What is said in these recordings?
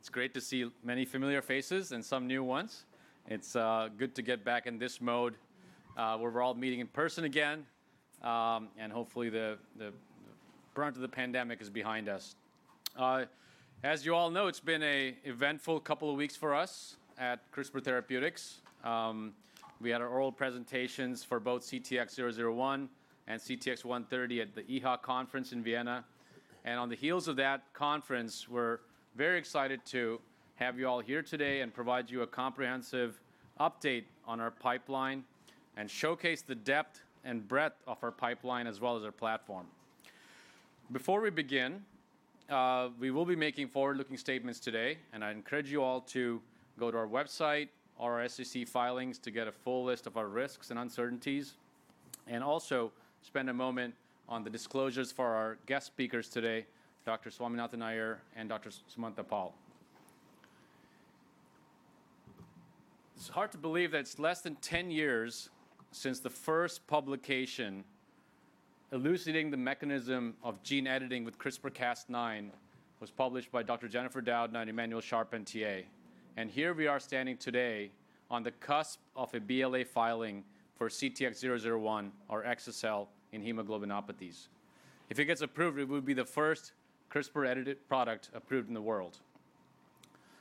It's great to see many familiar faces and some new ones. It's good to get back in this mode, where we're all meeting in person again, and hopefully the brunt of the pandemic is behind us. As you all know, it's been an eventful couple of weeks for us at CRISPR Therapeutics. We had our oral presentations for both CTX001 and CTX130 at the EHA conference in Vienna. On the heels of that conference, we're very excited to have you all here today and provide you a comprehensive update on our pipeline and showcase the depth and breadth of our pipeline as well as our platform. Before we begin, we will be making forward-looking statements today, and I encourage you all to go to our website or our SEC filings to get a full list of our risks and uncertainties, and also spend a moment on the disclosures for our guest speakers today, Dr. Swaminathan Iyer and Dr. Sumanta Pal. It's hard to believe that it's less than ten years since the first publication elucidating the mechanism of gene editing with CRISPR-Cas9 was published by Dr. Jennifer Doudna and Emmanuelle Charpentier, and here we are standing today on the cusp of a BLA filing for CTX001, or exa-cel, in hemoglobinopathies. If it gets approved, it would be the first CRISPR-edited product approved in the world.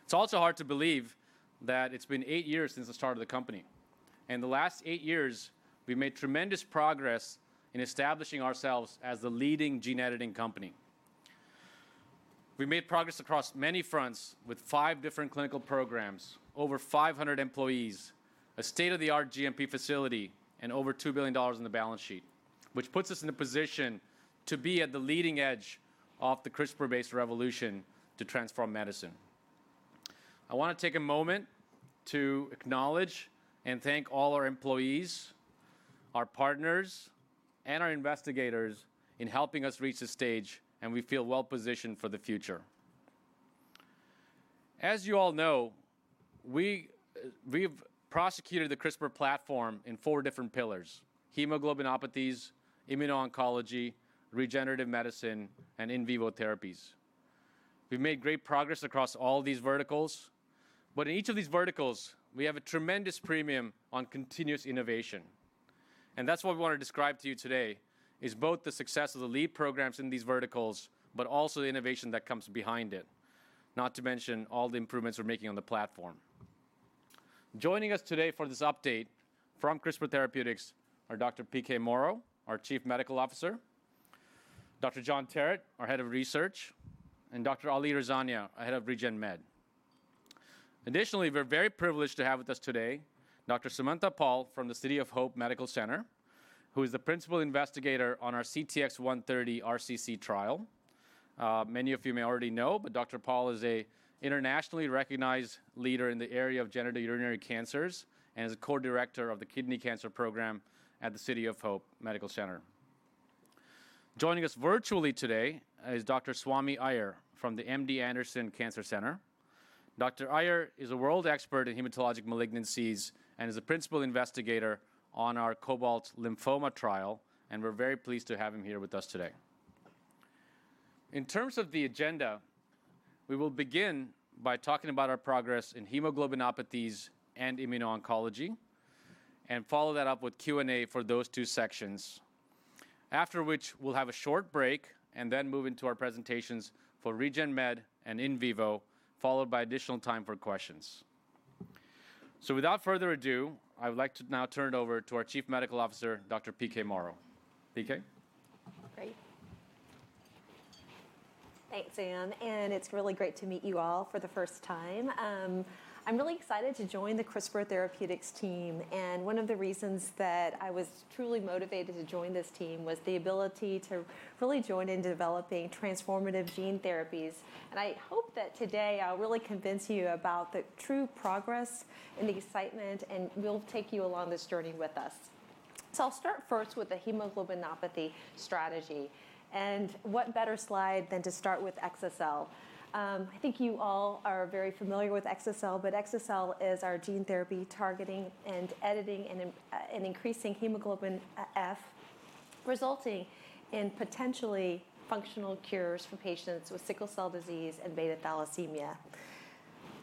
It's also hard to believe that it's been eight years since the start of the company. In the last eight years, we've made tremendous progress in establishing ourselves as the leading gene editing company. We've made progress across many fronts with five different clinical programs, over 500 employees, a state-of-the-art GMP facility, and over $2 billion in the balance sheet, which puts us in a position to be at the leading edge of the CRISPR-based revolution to transform medicine. I want to take a moment to acknowledge and thank all our employees, our partners, and our investigators in helping us reach this stage, and we feel well-positioned for the future. As you all know, we've prosecuted the CRISPR platform in four different pillars, hemoglobinopathies, immuno-oncology, regenerative medicine, and in vivo therapies. We've made great progress across all these verticals, but in each of these verticals, we have a tremendous premium on continuous innovation. That's what we want to describe to you today, is both the success of the lead programs in these verticals, but also the innovation that comes behind it, not to mention all the improvements we're making on the platform. Joining us today for this update from CRISPR Therapeutics are Dr. PK Morrow, our Chief Medical Officer, Dr. Jon Terrett, our Head of Research, and Dr. Alireza Rezania, our Head of Regen Med. Additionally, we're very privileged to have with us today Dr. Sumanta Pal from the City of Hope National Medical Center, who is the principal investigator on our CTX130 RCC trial. Many of you may already know, but Dr. Pal is an internationally recognized leader in the area of genitourinary cancers and is a Co-Director of the Kidney Cancer Program at the City of Hope National Medical Center. Joining us virtually today is Dr. Swamy Iyer from the MD Anderson Cancer Center. Dr. Iyer is a world expert in hematologic malignancies and is a principal investigator on our COBALT lymphoma trial, and we're very pleased to have him here with us today. In terms of the agenda, we will begin by talking about our progress in hemoglobinopathies and immuno-oncology, and follow that up with Q&A for those two sections, after which we'll have a short break and then move into our presentations for Regen Med and in vivo, followed by additional time for questions. Without further ado, I would like to now turn it over to our chief medical officer, Dr. PK Morrow. PK? Great. Thanks, Sam, and it's really great to meet you all for the first time. I'm really excited to join the CRISPR Therapeutics team, and one of the reasons that I was truly motivated to join this team was the ability to really join in developing transformative gene therapies. I hope that today I'll really convince you about the true progress and the excitement, and we'll take you along this journey with us. I'll start first with the hemoglobinopathy strategy, and what better slide than to start with exa-cel. I think you all are very familiar with exa-cel, but exa-cel is our gene therapy targeting and editing and increasing hemoglobin F, resulting in potentially functional cures for patients with sickle cell disease and beta thalassemia.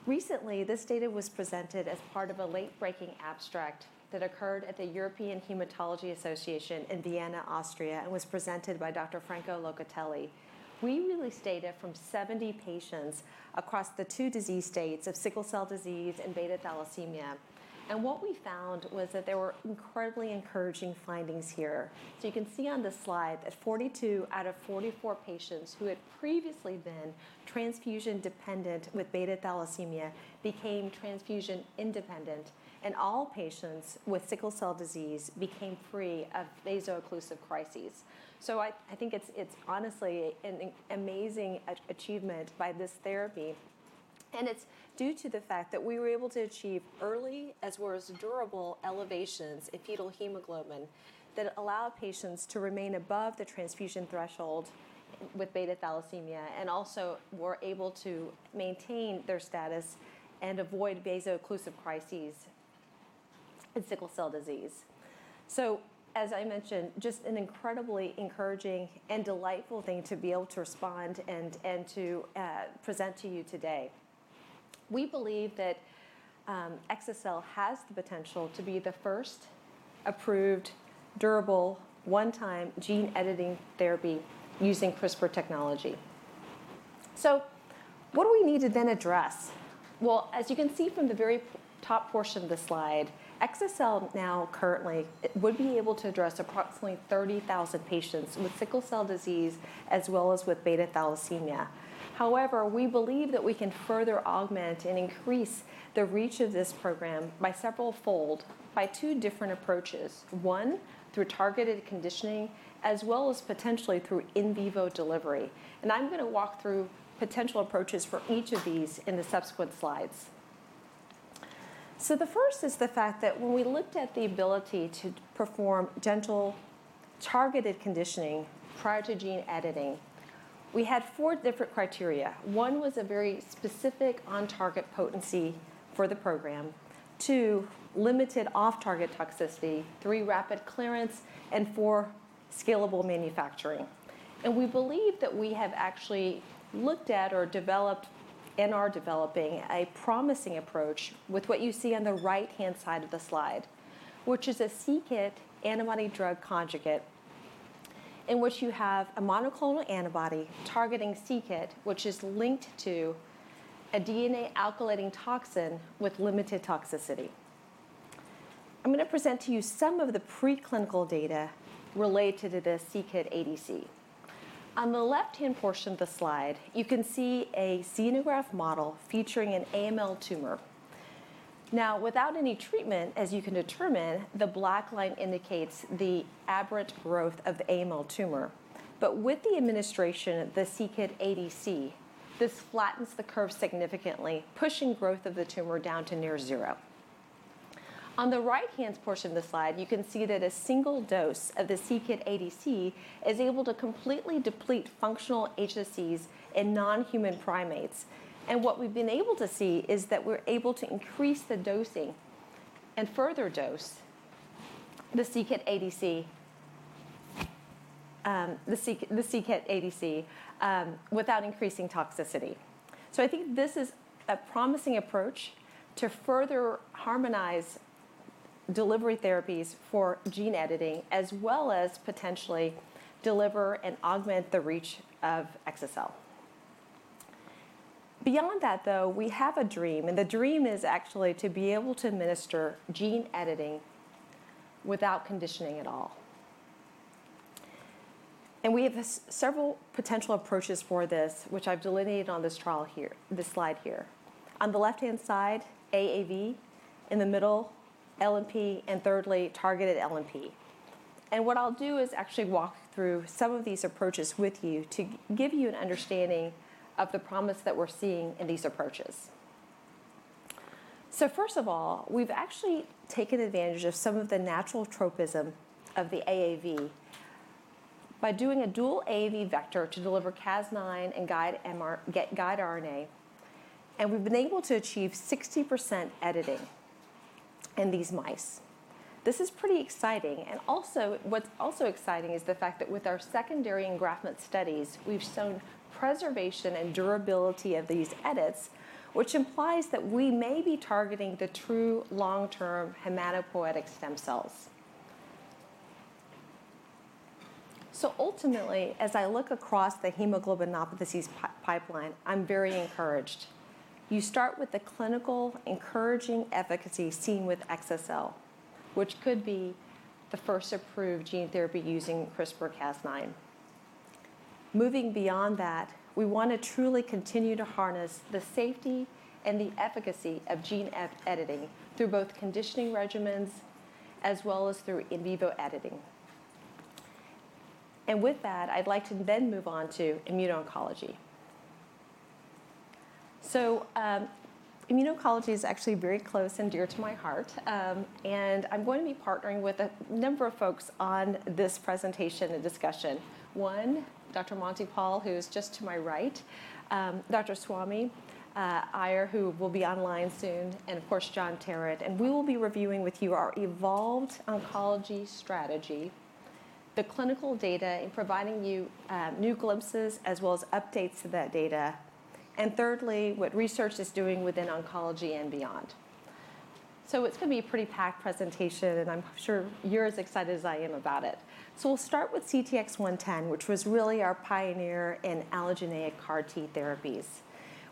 Recently, this data was presented as part of a late-breaking abstract that occurred at the European Hematology Association in Vienna, Austria, and was presented by Dr. Franco Locatelli. We released data from 70 patients across the two disease states of sickle cell disease and beta thalassemia, and what we found was that there were incredibly encouraging findings here. You can see on this slide that 42 out of 44 patients who had previously been transfusion dependent with beta thalassemia became transfusion independent, and all patients with sickle cell disease became free of vaso-occlusive crises. I think it's honestly an amazing achievement by this therapy, and it's due to the fact that we were able to achieve early as well as durable elevations in fetal hemoglobin that allow patients to remain above the transfusion threshold with beta thalassemia and also were able to maintain their status and avoid vaso-occlusive crises and sickle cell disease. As I mentioned, just an incredibly encouraging and delightful thing to be able to respond and to present to you today. We believe that exa-cel has the potential to be the first approved durable one-time gene editing therapy using CRISPR technology. What do we need to then address? Well, as you can see from the very top portion of the slide, exa-cel now currently would be able to address approximately 30,000 patients with sickle cell disease as well as with beta thalassemia. However, we believe that we can further augment and increase the reach of this program by several fold by two different approaches. One, through targeted conditioning, as well as potentially through in vivo delivery. I'm going to walk through potential approaches for each of these in the subsequent slides. The first is the fact that when we looked at the ability to perform gentle targeted conditioning prior to gene editing, we had four different criteria. One was a very specific on-target potency for the program. Two, limited off-target toxicity. Three, rapid clearance. And four, scalable manufacturing. We believe that we have actually looked at or developed and are developing a promising approach with what you see on the right-hand side of the slide, which is a c-Kit antibody drug conjugate in which you have a monoclonal antibody targeting c-Kit, which is linked to a DNA alkylating toxin with limited toxicity. I'm going to present to you some of the preclinical data related to the c-Kit ADC. On the left-hand portion of the slide, you can see a xenograft model featuring an AML tumor. Now, without any treatment, as you can determine, the black line indicates the aberrant growth of the AML tumor. With the administration of the c-Kit ADC, this flattens the curve significantly, pushing growth of the tumor down to near zero. On the right-hand portion of the slide, you can see that a single dose of the c-Kit ADC is able to completely deplete functional HSCs in non-human primates. What we've been able to see is that we're able to increase the dosing and further dose the c-Kit ADC without increasing toxicity. I think this is a promising approach to further harmonize delivery therapies for gene editing as well as potentially deliver and augment the reach of exa-cel. Beyond that, though, we have a dream, and the dream is actually to be able to administer gene editing without conditioning at all. We have several potential approaches for this, which I've delineated on this slide here. On the left-hand side, AAV. In the middle, LNP. And thirdly, targeted LNP. What I'll do is actually walk through some of these approaches with you to give you an understanding of the promise that we're seeing in these approaches. First of all, we've actually taken advantage of some of the natural tropism of the AAV by doing a dual AAV vector to deliver Cas9 and guide RNA, and we've been able to achieve 60% editing in these mice. This is pretty exciting. Also, what's also exciting is the fact that with our secondary engraftment studies, we've shown preservation and durability of these edits, which implies that we may be targeting the true long-term hematopoietic stem cells. Ultimately, as I look across the hemoglobinopathies pipeline, I'm very encouraged. You start with the clinical encouraging efficacy seen with exa-cel, which could be the first approved gene therapy using CRISPR-Cas9. Moving beyond that, we want to truly continue to harness the safety and the efficacy of gene editing through both conditioning regimens as well as through in vivo editing. With that, I'd like to then move on to immuno-oncology. Immuno-oncology is actually very close and dear to my heart. I'm going to be partnering with a number of folks on this presentation and discussion. One, Dr. Monty Pal, who is just to my right, Dr. Swaminathan Iyer, who will be online soon, and of course, Jon Terrett. We will be reviewing with you our evolved oncology strategy, the clinical data, and providing you new glimpses as well as updates to that data, and thirdly, what research is doing within oncology and beyond. It's going to be a pretty packed presentation, and I'm sure you're as excited as I am about it. We'll start with CTX110, which was really our pioneer in allogeneic CAR T therapies.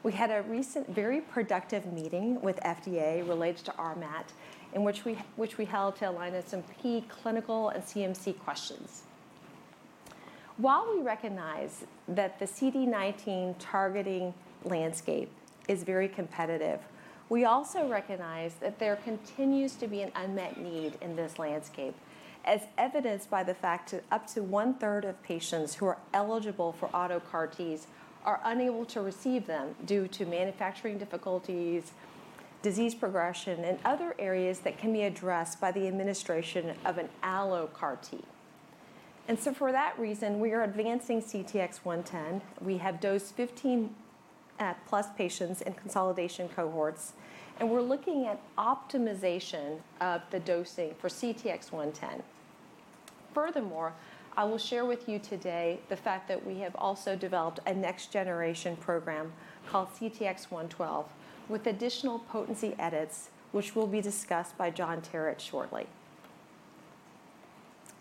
We had a recent very productive meeting with FDA related to RMAT in which we held to align on some preclinical and CMC questions. While we recognize that the CD19 targeting landscape is very competitive, we also recognize that there continues to be an unmet need in this landscape, as evidenced by the fact that up to one-third of patients who are eligible for auto CAR Ts are unable to receive them due to manufacturing difficulties, disease progression, and other areas that can be addressed by the administration of an allo CAR T. For that reason, we are advancing CTX110. We have dosed 15+ patients in consolidation cohorts, and we're looking at optimization of the dosing for CTX110. Furthermore, I will share with you today the fact that we have also developed a next-generation program called CTX112 with additional potency edits, which will be discussed by Jon Terrett shortly.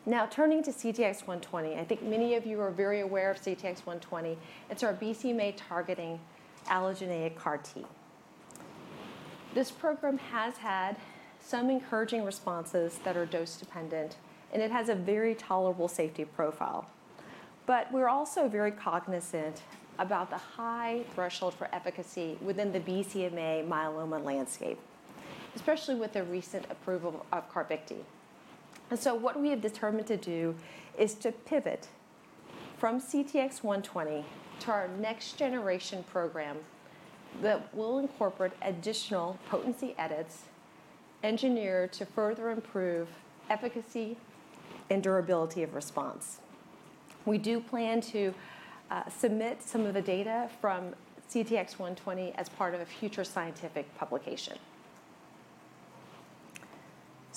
Now, turning to CTX120, I think many of you are very aware of CTX120. It's our BCMA-targeting allogeneic CAR T. This program has had some encouraging responses that are dose-dependent, and it has a very tolerable safety profile. But we're also very cognizant about the high threshold for efficacy within the BCMA myeloma landscape, especially with the recent approval of Carvykti. What we have determined to do is to pivot from CTX120 to our next-generation program that will incorporate additional potency edits engineered to further improve efficacy and durability of response. We do plan to submit some of the data from CTX120 as part of a future scientific publication.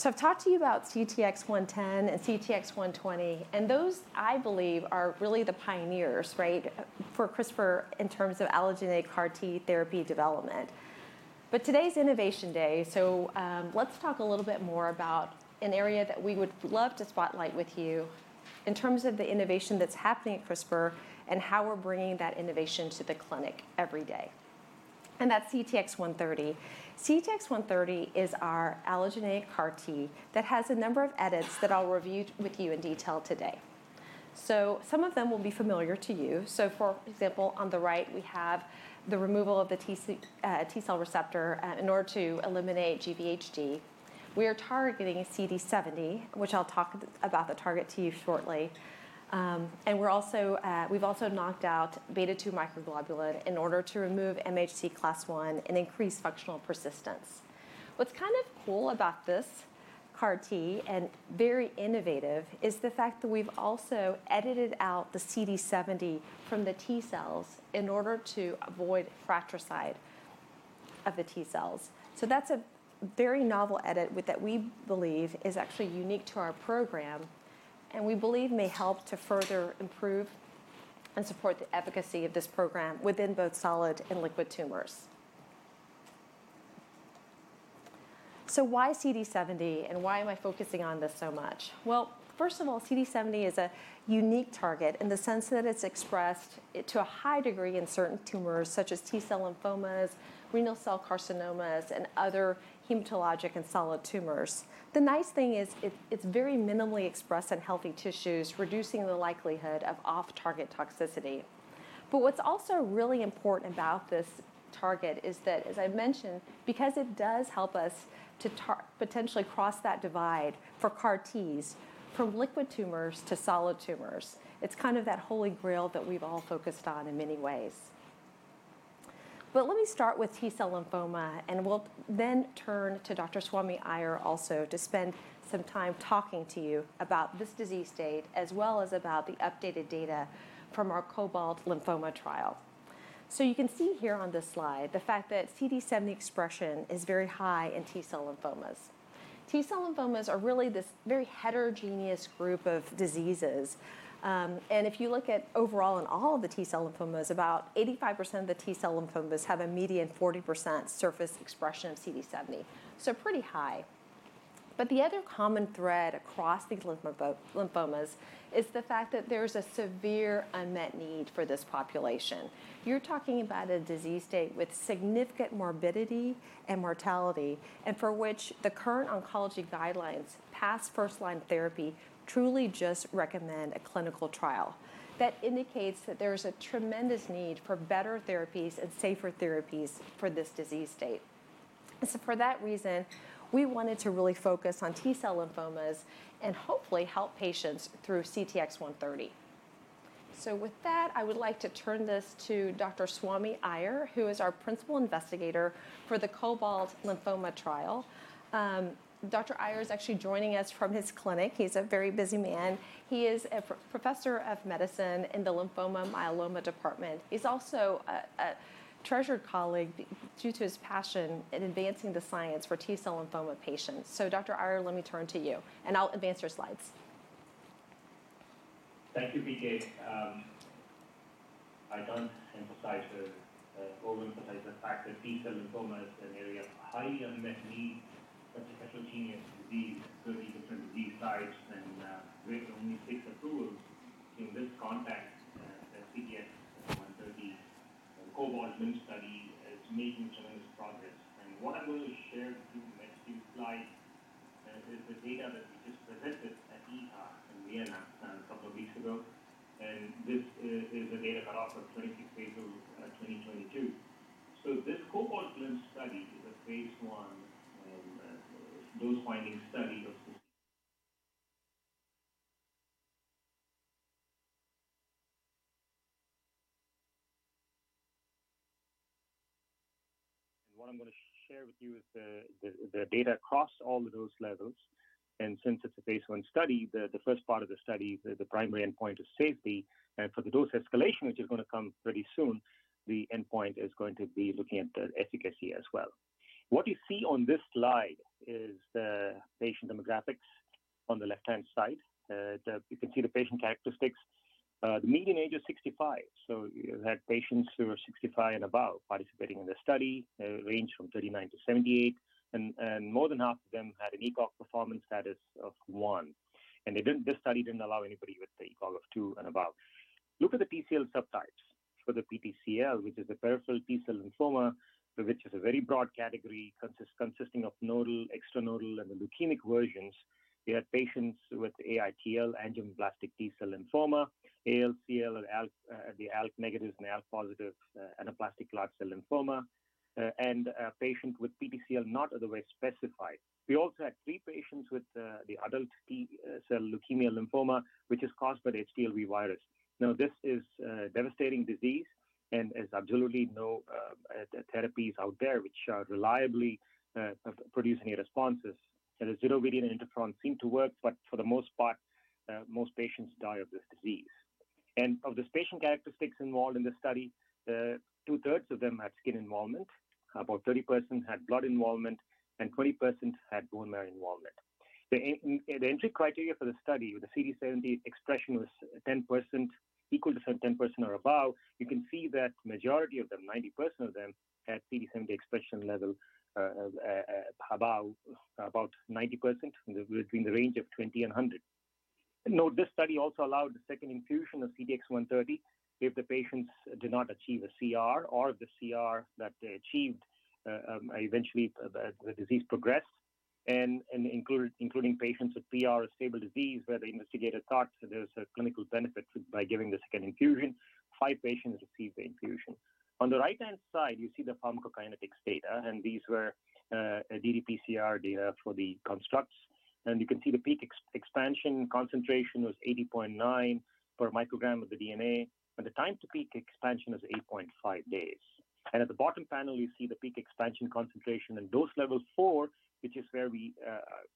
I've talked to you about CTX110 and CTX120, and those I believe are really the pioneers, right, for CRISPR in terms of allogeneic CAR T therapy development. Today is innovation day, so let's talk a little bit more about an area that we would love to spotlight with you in terms of the innovation that's happening at CRISPR and how we're bringing that innovation to the clinic every day and that's CTX130. CTX130 is our allogeneic CAR T that has a number of edits that I'll review with you in detail today. Some of them will be familiar to you. For example, on the right, we have the removal of the T cell receptor in order to eliminate GvHD. We are targeting CD70, which I'll talk about the target to you shortly. We've also knocked out beta-2 microglobulin in order to remove MHC class I and increase functional persistence. What's kind of cool about this CAR T and very innovative is the fact that we've also edited out the CD70 from the T cells in order to avoid fratricide of the T cells. That's a very novel edit that we believe is actually unique to our program and we believe may help to further improve and support the efficacy of this program within both solid and liquid tumors. Why CD70, and why am I focusing on this so much? Well, first of all, CD70 is a unique target in the sense that it's expressed to a high degree in certain tumors such as T-cell lymphomas, renal cell carcinomas, and other hematologic and solid tumors. The nice thing is it's very minimally expressed in healthy tissues, reducing the likelihood of off-target toxicity. What's also really important about this target is that, as I mentioned, because it does help us to potentially cross that divide for CAR Ts from liquid tumors to solid tumors. It's kind of that holy grail that we've all focused on in many ways. Let me start with T-cell lymphoma, and we'll then turn to Dr. Swaminathan Iyer also to spend some time talking to you about this disease state as well as about the updated data from our COBALT lymphoma trial. You can see here on this slide the fact that CD70 expression is very high in T-cell lymphomas. T-cell lymphomas are really this very heterogeneous group of diseases, and if you look at overall in all of the T-cell lymphomas, about 85% of the T-cell lymphomas have a median 40% surface expression of CD70, so pretty high. But the other common thread across these lymphomas is the fact that there's a severe unmet need for this population. You're talking about a disease state with significant morbidity and mortality and for which the current oncology guidelines past first-line therapy truly just recommend a clinical trial. That indicates that there's a tremendous need for better therapies and safer therapies for this disease state. For that reason, we wanted to really focus on T-cell lymphomas and hopefully help patients through CTX130. With that, I would like to turn this to Dr. Swaminathan Iyer, who is our principal investigator for the COBALT lymphoma trial. Dr. Iyer is actually joining us from his clinic. He's a very busy man. He is a professor of medicine in the Lymphoma/Myeloma department. He's also a treasured colleague due to his passion in advancing the science for T-cell lymphoma patients. Dr. Iyer, let me turn to you, and I'll advance your slides. Thank you, PK. I overemphasize the fact that T-cell lymphoma is an area of high unmet need, such a heterogeneous disease, 30 different disease sites and with only 6 approvals. In this context, CTX130, the COBALT-LYM study is making tremendous progress. What I'm going to share with you in the next few slides is the data that we just presented at EHA in Vienna a couple of weeks ago. This is the data cutoff of 26th April 2022. This COBALT-LYM study is a phase 1 dose-finding study of What I'm gonna share with you is the data across all of those levels. Since it's a baseline study, the first part of the study, the primary endpoint is safety. For the dose escalation, which is gonna come pretty soon, the endpoint is going to be looking at the efficacy as well. What you see on this slide is the patient demographics on the left-hand side. You can see the patient characteristics. The median age is 65, so you had patients who are 65 and above participating in the study. Range from 39 to 78. More than half of them had an ECOG performance status of 1. This study didn't allow anybody with the ECOG of 2 and above. Look at the T-cell subtypes. For the PTCL, which is a peripheral T-cell lymphoma, which is a very broad category consisting of nodal, extranodal, and the leukemic versions. We had patients with AITL, angioimmunoblastic T-cell lymphoma, ALCL, ALK-negative and ALK-positive anaplastic large cell lymphoma, and patient with PTCL not otherwise specified. We also had 3 patients with the adult T-cell leukemia lymphoma, which is caused by the HTLV virus. Now, this is a devastating disease and there's absolutely no therapies out there which are reliably producing responses. Zidovudine and interferon seem to work, but for the most part, most patients die of this disease. Of this patient characteristics involved in the study, two-thirds of them had skin involvement, about 30% had blood involvement, and 20% had bone marrow involvement. The entry criteria for the study with the CD70 expression was 10%, equal to 10% or above. You can see that majority of them, 90% of them, had CD70 expression level, about 90% between the range of 20 and 100. Note, this study also allowed the second infusion of CTX130 if the patients did not achieve a CR or if the CR that they achieved, eventually the disease progressed and including patients with PR stable disease where the investigator thought there was a clinical benefit by giving the second infusion. 5 patients received the infusion. On the right-hand side, you see the pharmacokinetics data, and these were, ddPCR data for the constructs. You can see the peak expansion concentration was 80.9 per microgram of the DNA, and the time to peak expansion was 8.5 days. At the bottom panel, you see the peak expansion concentration in dose level four, which is where we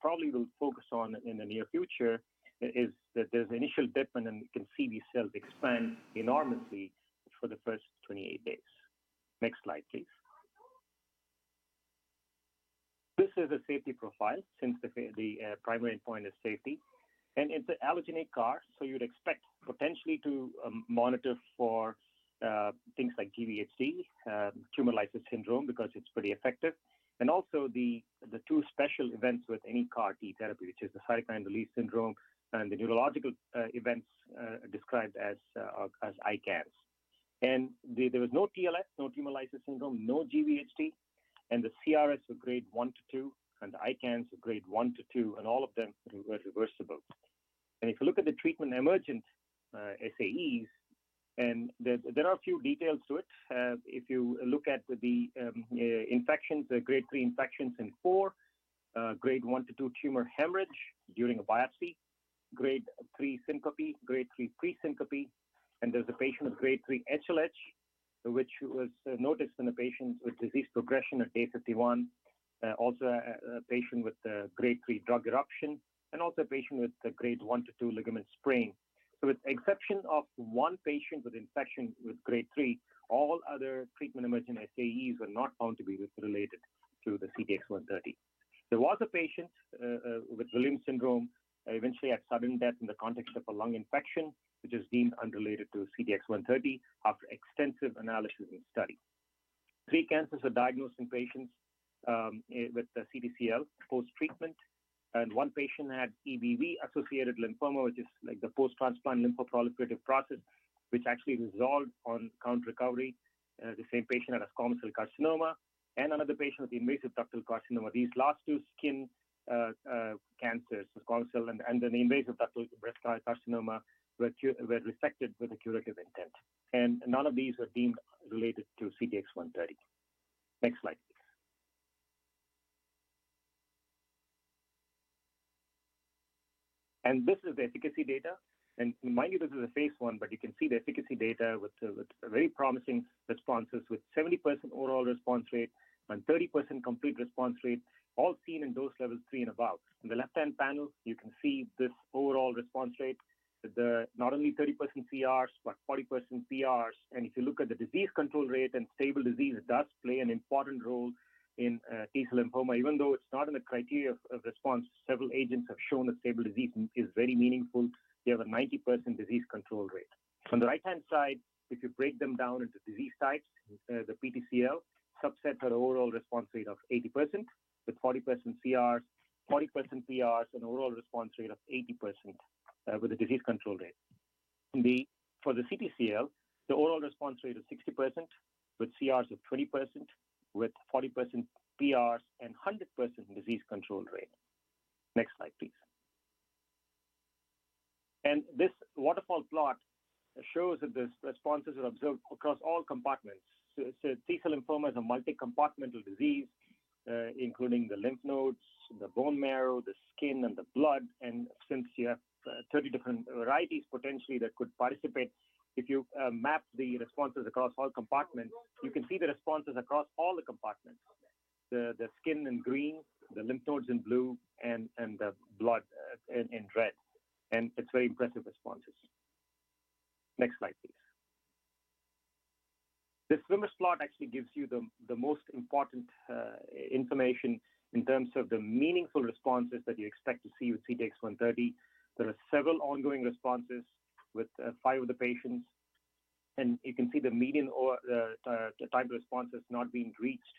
probably will focus on in the near future. There's initial dip and then we can see these cells expand enormously for the first 28 days. Next slide, please. This is a safety profile since the primary endpoint is safety. It's an allogeneic CAR, so you'd expect potentially to monitor for things like GvHD, tumor lysis syndrome, because it's pretty effective. Also the two special events with any CAR T therapy, which is the cytokine release syndrome and the neurological events described as ICANS. There was no TLS, no tumor lysis syndrome, no GVHD, and the CRS were Grade 1-2, and the ICANS were Grade 1-2, and all of them were reversible. If you look at the treatment emergent SAEs, and there are a few details to it. If you look at the infections, the Grade 3 infections in four, Grade 1-2 tumor hemorrhage during a biopsy, Grade 3 syncope, Grade 3 pre-syncope, and there is a patient with Grade 3 HLH, which was noticed in a patient with disease progression at day 51. Also a patient with a Grade 3 drug eruption, and also a patient with a Grade 1-2 ligament sprain. With exception of 1 patient with infection with Grade 3, all other treatment emergent SAEs were not found to be related to CTX130. There was a patient with HLH syndrome, eventually had sudden death in the context of a lung infection, which is deemed unrelated to CTX130 after extensive analysis and study. 3 cancers were diagnosed in patients with CTCL post-treatment, and 1 patient had EBV-associated lymphoma, which is like the post-transplant lymphoproliferative process, which actually resolved on count recovery. The same patient had a squamous cell carcinoma and another patient with invasive ductal carcinoma. These last two skin cancers, the squamous cell and an invasive ductal breast carcinoma were resected with a curative intent. None of these were deemed related to CTX130. Next slide. This is the efficacy data. Mind you, this is a phase 1, but you can see the efficacy data with very promising responses with 70% overall response rate and 30% complete response rate, all seen in dose level 3 and above. In the left-hand panel, you can see this overall response rate. Then not only 30% CRs, but 40% CRs. If you look at the disease control rate and stable disease, it does play an important role in T-cell lymphoma. Even though it's not in the criteria of response, several agents have shown that stable disease is very meaningful. You have a 90% disease control rate. On the right-hand side, if you break them down into disease sites, the PTCL subset had overall response rate of 80% with 40% CR, 40% PRs and overall response rate of 80%, with a disease control rate. For the CTCL, the overall response rate is 60% with CRs of 20%, with 40% PRs and 100% disease control rate. Next slide, please. This waterfall plot shows that the responses are observed across all compartments. T-cell lymphoma is a multi-compartmental disease, including the lymph nodes, the bone marrow, the skin, and the blood. Since you have 30 different varieties potentially that could participate, if you map the responses across all compartments, you can see the responses across all the compartments. The skin in green, the lymph nodes in blue and the blood in red. It's very impressive responses. Next slide, please. This swimmer's plot actually gives you the most important information in terms of the meaningful responses that you expect to see with CTX130. There are several ongoing responses with five of the patients, and you can see the median or the time to response has not been reached.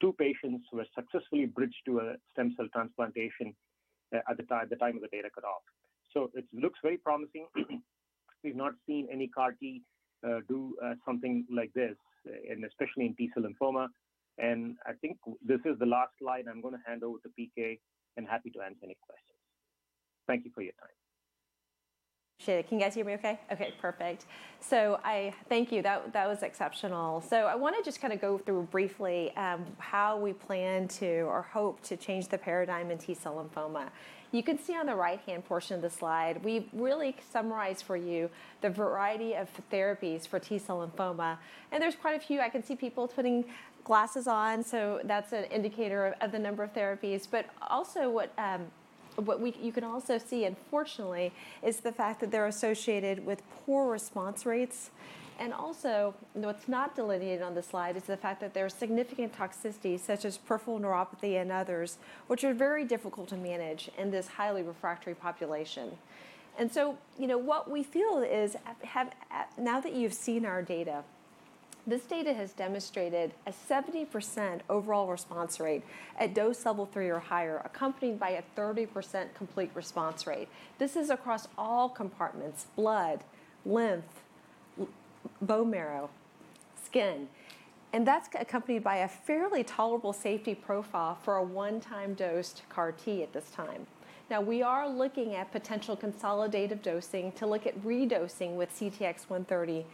Two patients were successfully bridged to a stem cell transplantation at the time of the data cut off. It looks very promising. We've not seen any CAR T do something like this, and especially in T-cell lymphoma. I think this is the last slide I'm gonna hand over to PK, and happy to answer any questions. Thank you for your time. Sure. Can you guys hear me okay? Okay, perfect. I thank you. That was exceptional. I wanna just kinda go through briefly, how we plan to or hope to change the paradigm in T-cell lymphoma. You can see on the right-hand portion of the slide, we've really summarized for you the variety of therapies for T-cell lymphoma, and there's quite a few. I can see people putting glasses on, so that's an indicator of the number of therapies. also you can also see unfortunately is the fact that they're associated with poor response rates. also, you know, what's not delineated on the slide is the fact that there are significant toxicities such as peripheral neuropathy and others, which are very difficult to manage in this highly refractory population. You know what we feel is, now that you've seen our data, this data has demonstrated a 70% overall response rate at dose level 3 or higher, accompanied by a 30% complete response rate. This is across all compartments: blood, lymph, bone marrow, skin, and that's accompanied by a fairly tolerable safety profile for a one-time dosed CAR T at this time. Now, we are looking at potential consolidative dosing to look at redosing with CTX130,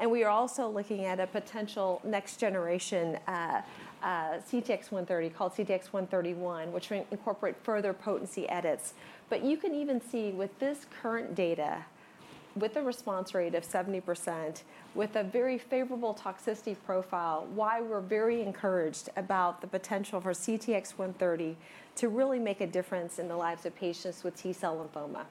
and we are also looking at a potential next generation, CTX130 called CTX131, which will incorporate further potency edits. You can even see with this current data, with a response rate of 70% with a very favorable toxicity profile, why we're very encouraged about the potential for CTX130 to really make a difference in the lives of patients with T-cell lymphoma.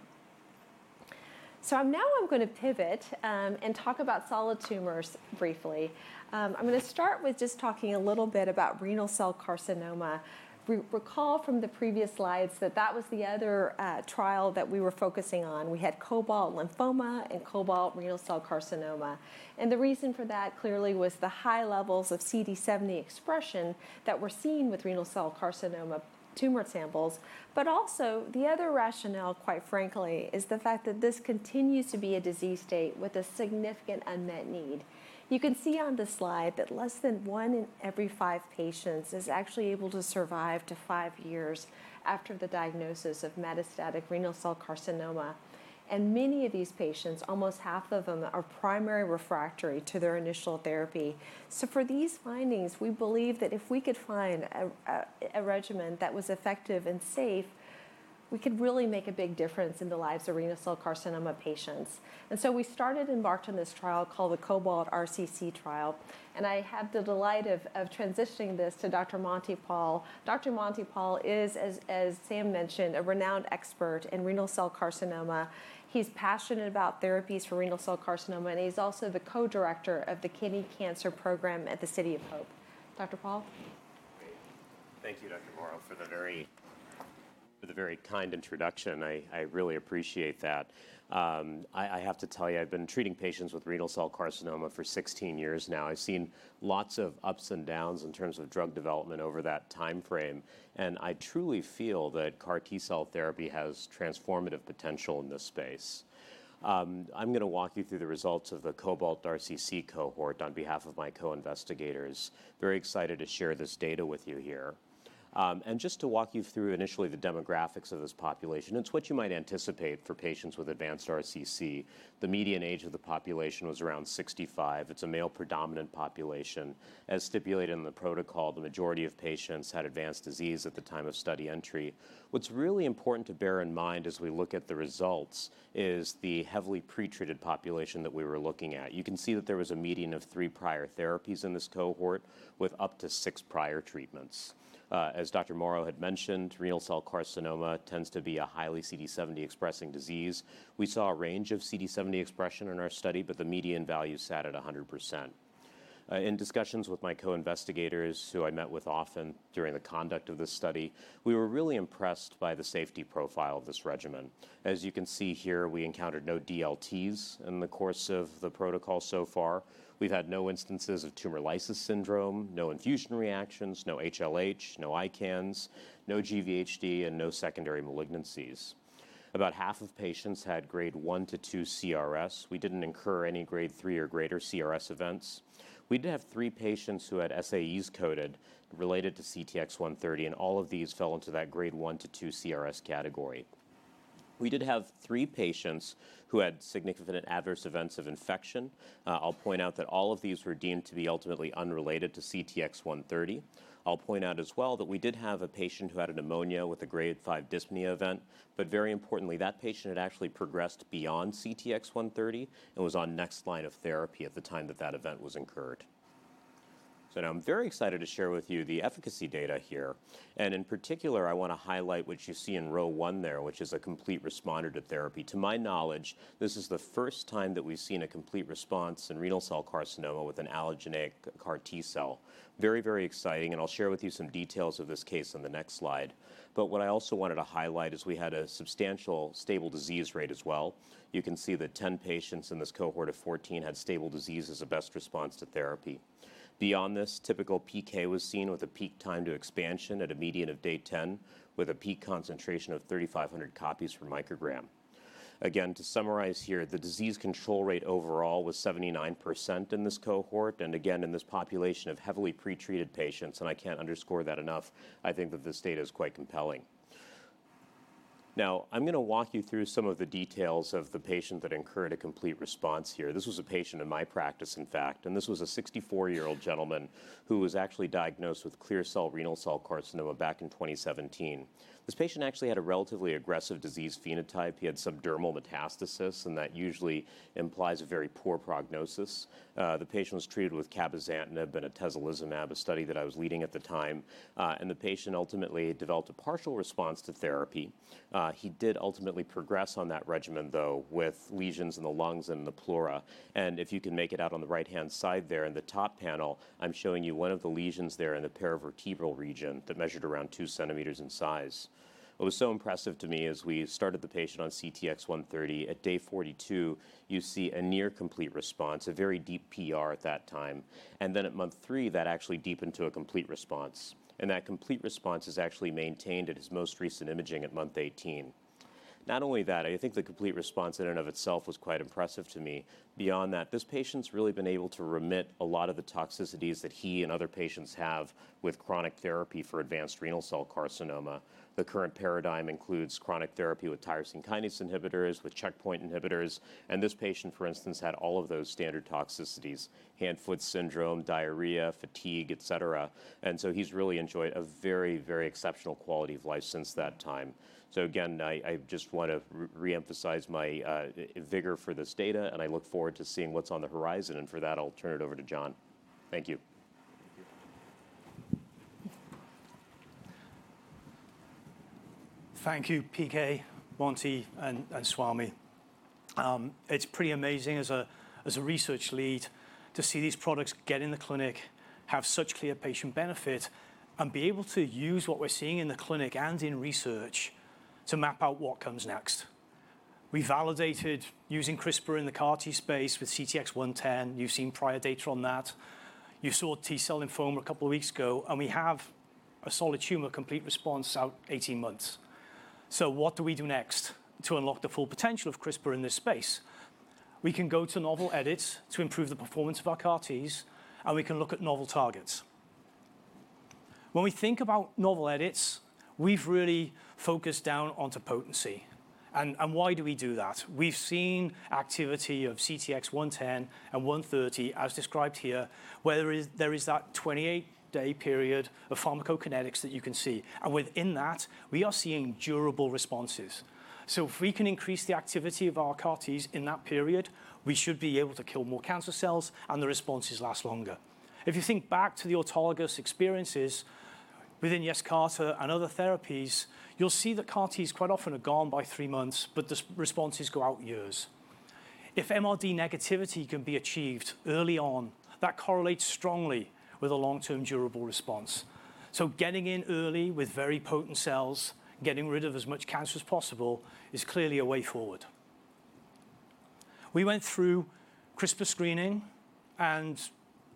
Now I'm gonna pivot and talk about solid tumors briefly. I'm gonna start with just talking a little bit about renal cell carcinoma. Recall from the previous slides that that was the other trial that we were focusing on. We had COBALT lymphoma and COBALT renal cell carcinoma. The reason for that clearly was the high levels of CD70 expression that were seen with renal cell carcinoma tumor samples. Also the other rationale, quite frankly, is the fact that this continues to be a disease state with a significant unmet need. You can see on the slide that less than one in every five patients is actually able to survive to five years after the diagnosis of metastatic renal cell carcinoma. Many of these patients, almost half of them, are primary refractory to their initial therapy. For these findings, we believe that if we could find a regimen that was effective and safe, we could really make a big difference in the lives of renal cell carcinoma patients. We embarked on this trial called the COBALT-RCC trial, and I have the delight of transitioning this to Dr. Monty Pal. Dr. Monty Pal is, as Sam mentioned, a renowned expert in renal cell carcinoma. He's passionate about therapies for renal cell carcinoma, and he's also the co-director of the Kidney Cancer Program at the City of Hope. Dr. Pal? Great. Thank you, Dr. Morrow, for the very kind introduction. I really appreciate that. I have to tell you, I've been treating patients with renal cell carcinoma for 16 years now. I've seen lots of ups and downs in terms of drug development over that timeframe, and I truly feel that CAR T-cell therapy has transformative potential in this space. I'm gonna walk you through the results of the COBALT-RCC cohort on behalf of my co-investigators. Very excited to share this data with you here. Just to walk you through initially the demographics of this population, it's what you might anticipate for patients with advanced RCC. The median age of the population was around 65. It's a male predominant population. As stipulated in the protocol, the majority of patients had advanced disease at the time of study entry. What's really important to bear in mind as we look at the results is the heavily pretreated population that we were looking at. You can see that there was a median of three prior therapies in this cohort with up to six prior treatments. As Dr. Morrow had mentioned, renal cell carcinoma tends to be a highly CD70 expressing disease. We saw a range of CD70 expression in our study, but the median value sat at 100%. In discussions with my co-investigators, who I met with often during the conduct of this study, we were really impressed by the safety profile of this regimen. As you can see here, we encountered no DLTs in the course of the protocol so far. We've had no instances of tumor lysis syndrome, no infusion reactions, no HLH, no ICANS, no GvHD, and no secondary malignancies. About half of patients had grade 1-2 CRS. We didn't incur any grade 3 or greater CRS events. We did have three patients who had SAEs coded related to CTX130, and all of these fell into that grade 1-2 CRS category. We did have three patients who had significant adverse events of infection. I'll point out that all of these were deemed to be ultimately unrelated to CTX130. I'll point out as well that we did have a patient who had a pneumonia with a grade 5 dyspnea event, but very importantly, that patient had actually progressed beyond CTX130 and was on next line of therapy at the time that event was incurred. Now I'm very excited to share with you the efficacy data here, and in particular, I wanna highlight what you see in row 1 there, which is a complete responder to therapy. To my knowledge, this is the first time that we've seen a complete response in renal cell carcinoma with an allogeneic CAR T-cell. Very, very exciting, and I'll share with you some details of this case on the next slide. What I also wanted to highlight is we had a substantial stable disease rate as well. You can see that 10 patients in this cohort of 14 had stable disease as a best response to therapy. Beyond this, typical PK was seen with a peak time to expansion at a median of day 10 with a peak concentration of 3,500 copies per microgram. Again, to summarize here, the disease control rate overall was 79% in this cohort and again in this population of heavily pretreated patients, and I can't underscore that enough. I think that this data is quite compelling. Now, I'm gonna walk you through some of the details of the patient that incurred a complete response here. This was a patient in my practice, in fact, and this was a 64-year-old gentleman who was actually diagnosed with clear cell renal cell carcinoma back in 2017. This patient actually had a relatively aggressive disease phenotype. He had subdermal metastasis, and that usually implies a very poor prognosis. The patient was treated with Cabozantinib and Atezolizumab, a study that I was leading at the time. The patient ultimately developed a partial response to therapy. He did ultimately progress on that regimen, though, with lesions in the lungs and the pleura. If you can make it out on the right-hand side there in the top panel, I'm showing you one of the lesions there in the paravertebral region that measured around 2 cm in size. What was so impressive to me as we started the patient on CTX130, at day 42, you see a near complete response, a very deep PR at that time. Then at month three, that actually deepened to a complete response, and that complete response is actually maintained at his most recent imaging at month 18. Not only that, I think the complete response in and of itself was quite impressive to me. Beyond that, this patient's really been able to remit a lot of the toxicities that he and other patients have with chronic therapy for advanced renal cell carcinoma. The current paradigm includes chronic therapy with tyrosine kinase inhibitors, with checkpoint inhibitors, and this patient, for instance, had all of those standard toxicities, hand-foot syndrome, diarrhea, fatigue, et cetera. He's really enjoyed a very, very exceptional quality of life since that time. Again, I just want to reemphasize my vigor for this data, and I look forward to seeing what's on the horizon. For that, I'll turn it over to Jon. Thank you. Thank you. Thank you, PK, Monty, and Swami. It's pretty amazing as a research lead to see these products get in the clinic, have such clear patient benefit, and be able to use what we're seeing in the clinic and in research to map out what comes next. We validated using CRISPR in the CAR T space with CTX110. You've seen prior data on that. You saw T-cell lymphoma a couple of weeks ago, and we have a solid tumor complete response out 18 months. What do we do next to unlock the full potential of CRISPR in this space? We can go to novel edits to improve the performance of our CAR Ts, and we can look at novel targets. When we think about novel edits, we've really focused down onto potency. Why do we do that? We've seen activity of CTX110 and 130 as described here, where there is that 28-day period of pharmacokinetics that you can see. Within that, we are seeing durable responses. If we can increase the activity of our CAR Ts in that period, we should be able to kill more cancer cells, and the responses last longer. If you think back to the autologous experiences within Yescarta and other therapies, you'll see that CAR Ts quite often are gone by three months, but the responses go on for years. If MRD negativity can be achieved early on, that correlates strongly with a long-term durable response. Getting in early with very potent cells, getting rid of as much cancer as possible is clearly a way forward. We went through CRISPR screening and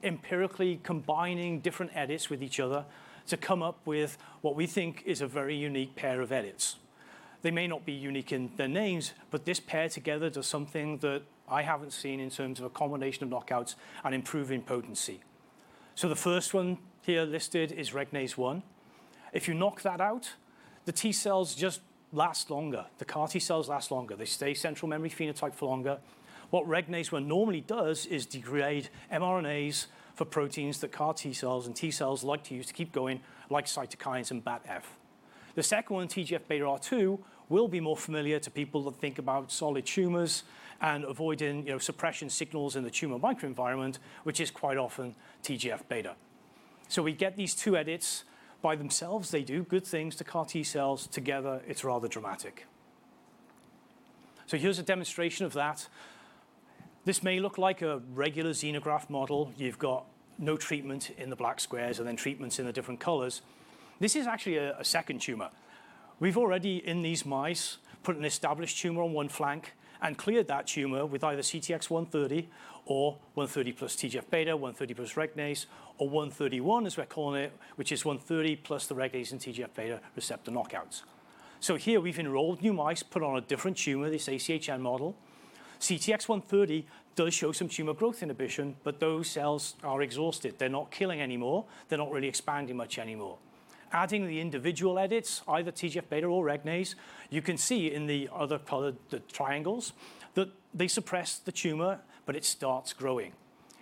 empirically combining different edits with each other to come up with what we think is a very unique pair of edits. They may not be unique in their names, but this pair together does something that I haven't seen in terms of a combination of knockouts and improving potency. The first one here listed is Regnase-1. If you knock that out, the T-cells just last longer. The CAR T-cells last longer. They stay central memory phenotype for longer. What Regnase-1 normally does is degrade mRNAs for proteins that CAR T-cells and T-cells like to use to keep going, like cytokines and BATF. The second one, TGF beta R2, will be more familiar to people that think about solid tumors and avoiding, you know, suppression signals in the tumor microenvironment, which is quite often TGF beta. We get these two edits. By themselves, they do good things to CAR T-cells. Together, it's rather dramatic. Here's a demonstration of that. This may look like a regular xenograft model. You've got no treatment in the black squares and then treatments in the different colors. This is actually a second tumor. We've already, in these mice, put an established tumor on one flank and cleared that tumor with either CTX130 or 130 plus TGF beta, 130 plus Regnase, or 131, as we're calling it, which is 130 plus the Regnase and TGF beta receptor knockouts. Here we've enrolled new mice, put on a different tumor, this ACHN model. CTX130 does show some tumor growth inhibition, but those cells are exhausted. They're not killing anymore. They're not really expanding much anymore. Adding the individual edits, either TGF-beta or Regnase, you can see in the other color, the triangles, that they suppress the tumor, but it starts growing.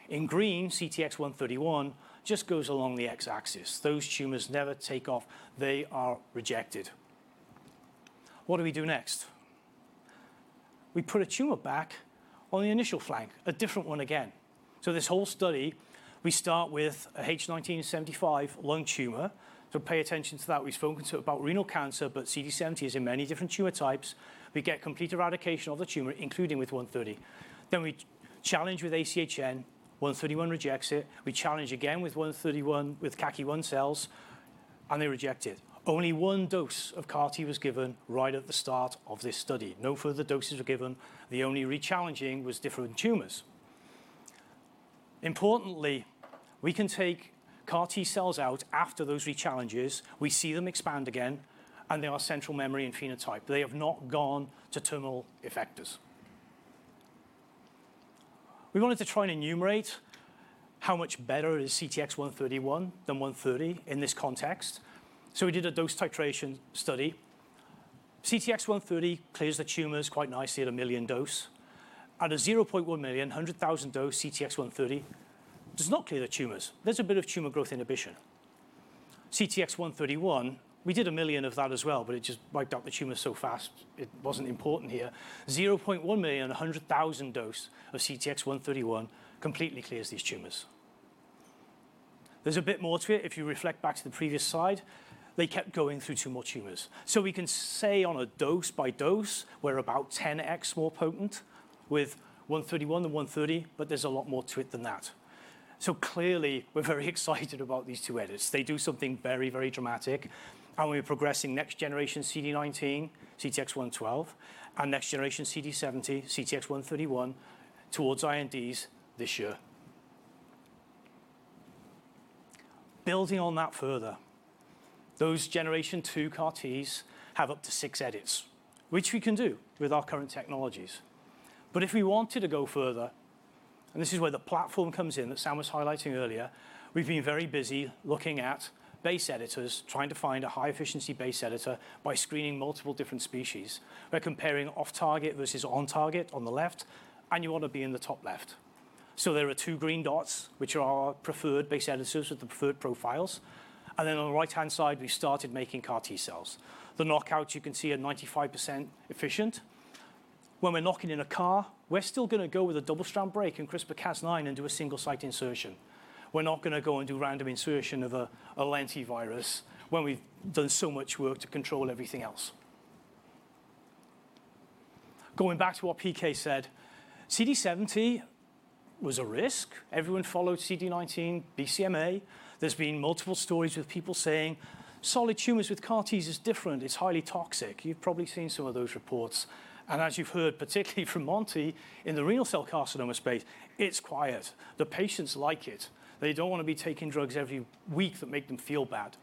In green, CTX131 just goes along the x-axis. Those tumors never take off. They are rejected. What do we do next? We put a tumor back on the initial flank, a different one again. This whole study, we start with a H1975 lung tumor, so pay attention to that. We've spoken about renal cancer, but CD70 is in many different tumor types. We get complete eradication of the tumor, including with CTX130. We challenge with ACHN, CTX131 rejects it. We challenge again with CTX131 with Caki-1 cells, and they reject it. Only one dose of CAR T was given right at the start of this study. No further doses were given. The only re-challenging was different tumors. Importantly, we can take CAR T cells out after those re-challenges. We see them expand again, and they are central memory and phenotype. They have not gone to terminal effectors. We wanted to try and enumerate how much better is CTX131 than 130 in this context, so we did a dose titration study. CTX130 clears the tumors quite nicely at a 1 million dose. At a 0.1 million, 100,000 dose CTX130 does not clear the tumors. There's a bit of tumor growth inhibition. CTX131, we did a million of that as well, but it just wiped out the tumor so fast it wasn't important here. 0.1 million, a 100,000 dose of CTX131 completely clears these tumors. There's a bit more to it if you reflect back to the previous slide. They kept going through two more tumors. We can say on a dose-by-dose, we're about 10x more potent with CTX131 than CTX130, but there's a lot more to it than that. Clearly, we're very excited about these 2 edits. They do something very, very dramatic, and we're progressing next-generation CD19, CTX112, and next-generation CD70, CTX131 towards INDs this year. Building on that further, those generation 2 CAR Ts have up to 6 edits, which we can do with our current technologies. If we wanted to go further, and this is where the platform comes in that Sam was highlighting earlier, we've been very busy looking at base editors, trying to find a high-efficiency base editor by screening multiple different species. We're comparing off-target versus on-target on the left, and you want to be in the top left. There are two green dots, which are our preferred base editors with the preferred profiles, and then on the right-hand side, we started making CAR T cells. The knockout you can see are 95% efficient. When we're knocking in a CAR, we're still gonna go with a double-strand break and CRISPR-Cas9 and do a single site insertion. We're not gonna go and do random insertion of a lentivirus when we've done so much work to control everything else. Going back to what PK said, CD70 was a risk. Everyone followed CD19, BCMA. There's been multiple stories with people saying solid tumors with CAR Ts is different. It's highly toxic. You've probably seen some of those reports, and as you've heard, particularly from Monty, in the renal cell carcinoma space, it's quiet. The patients like it. They don't want to be taking drugs every week that make them feel bad.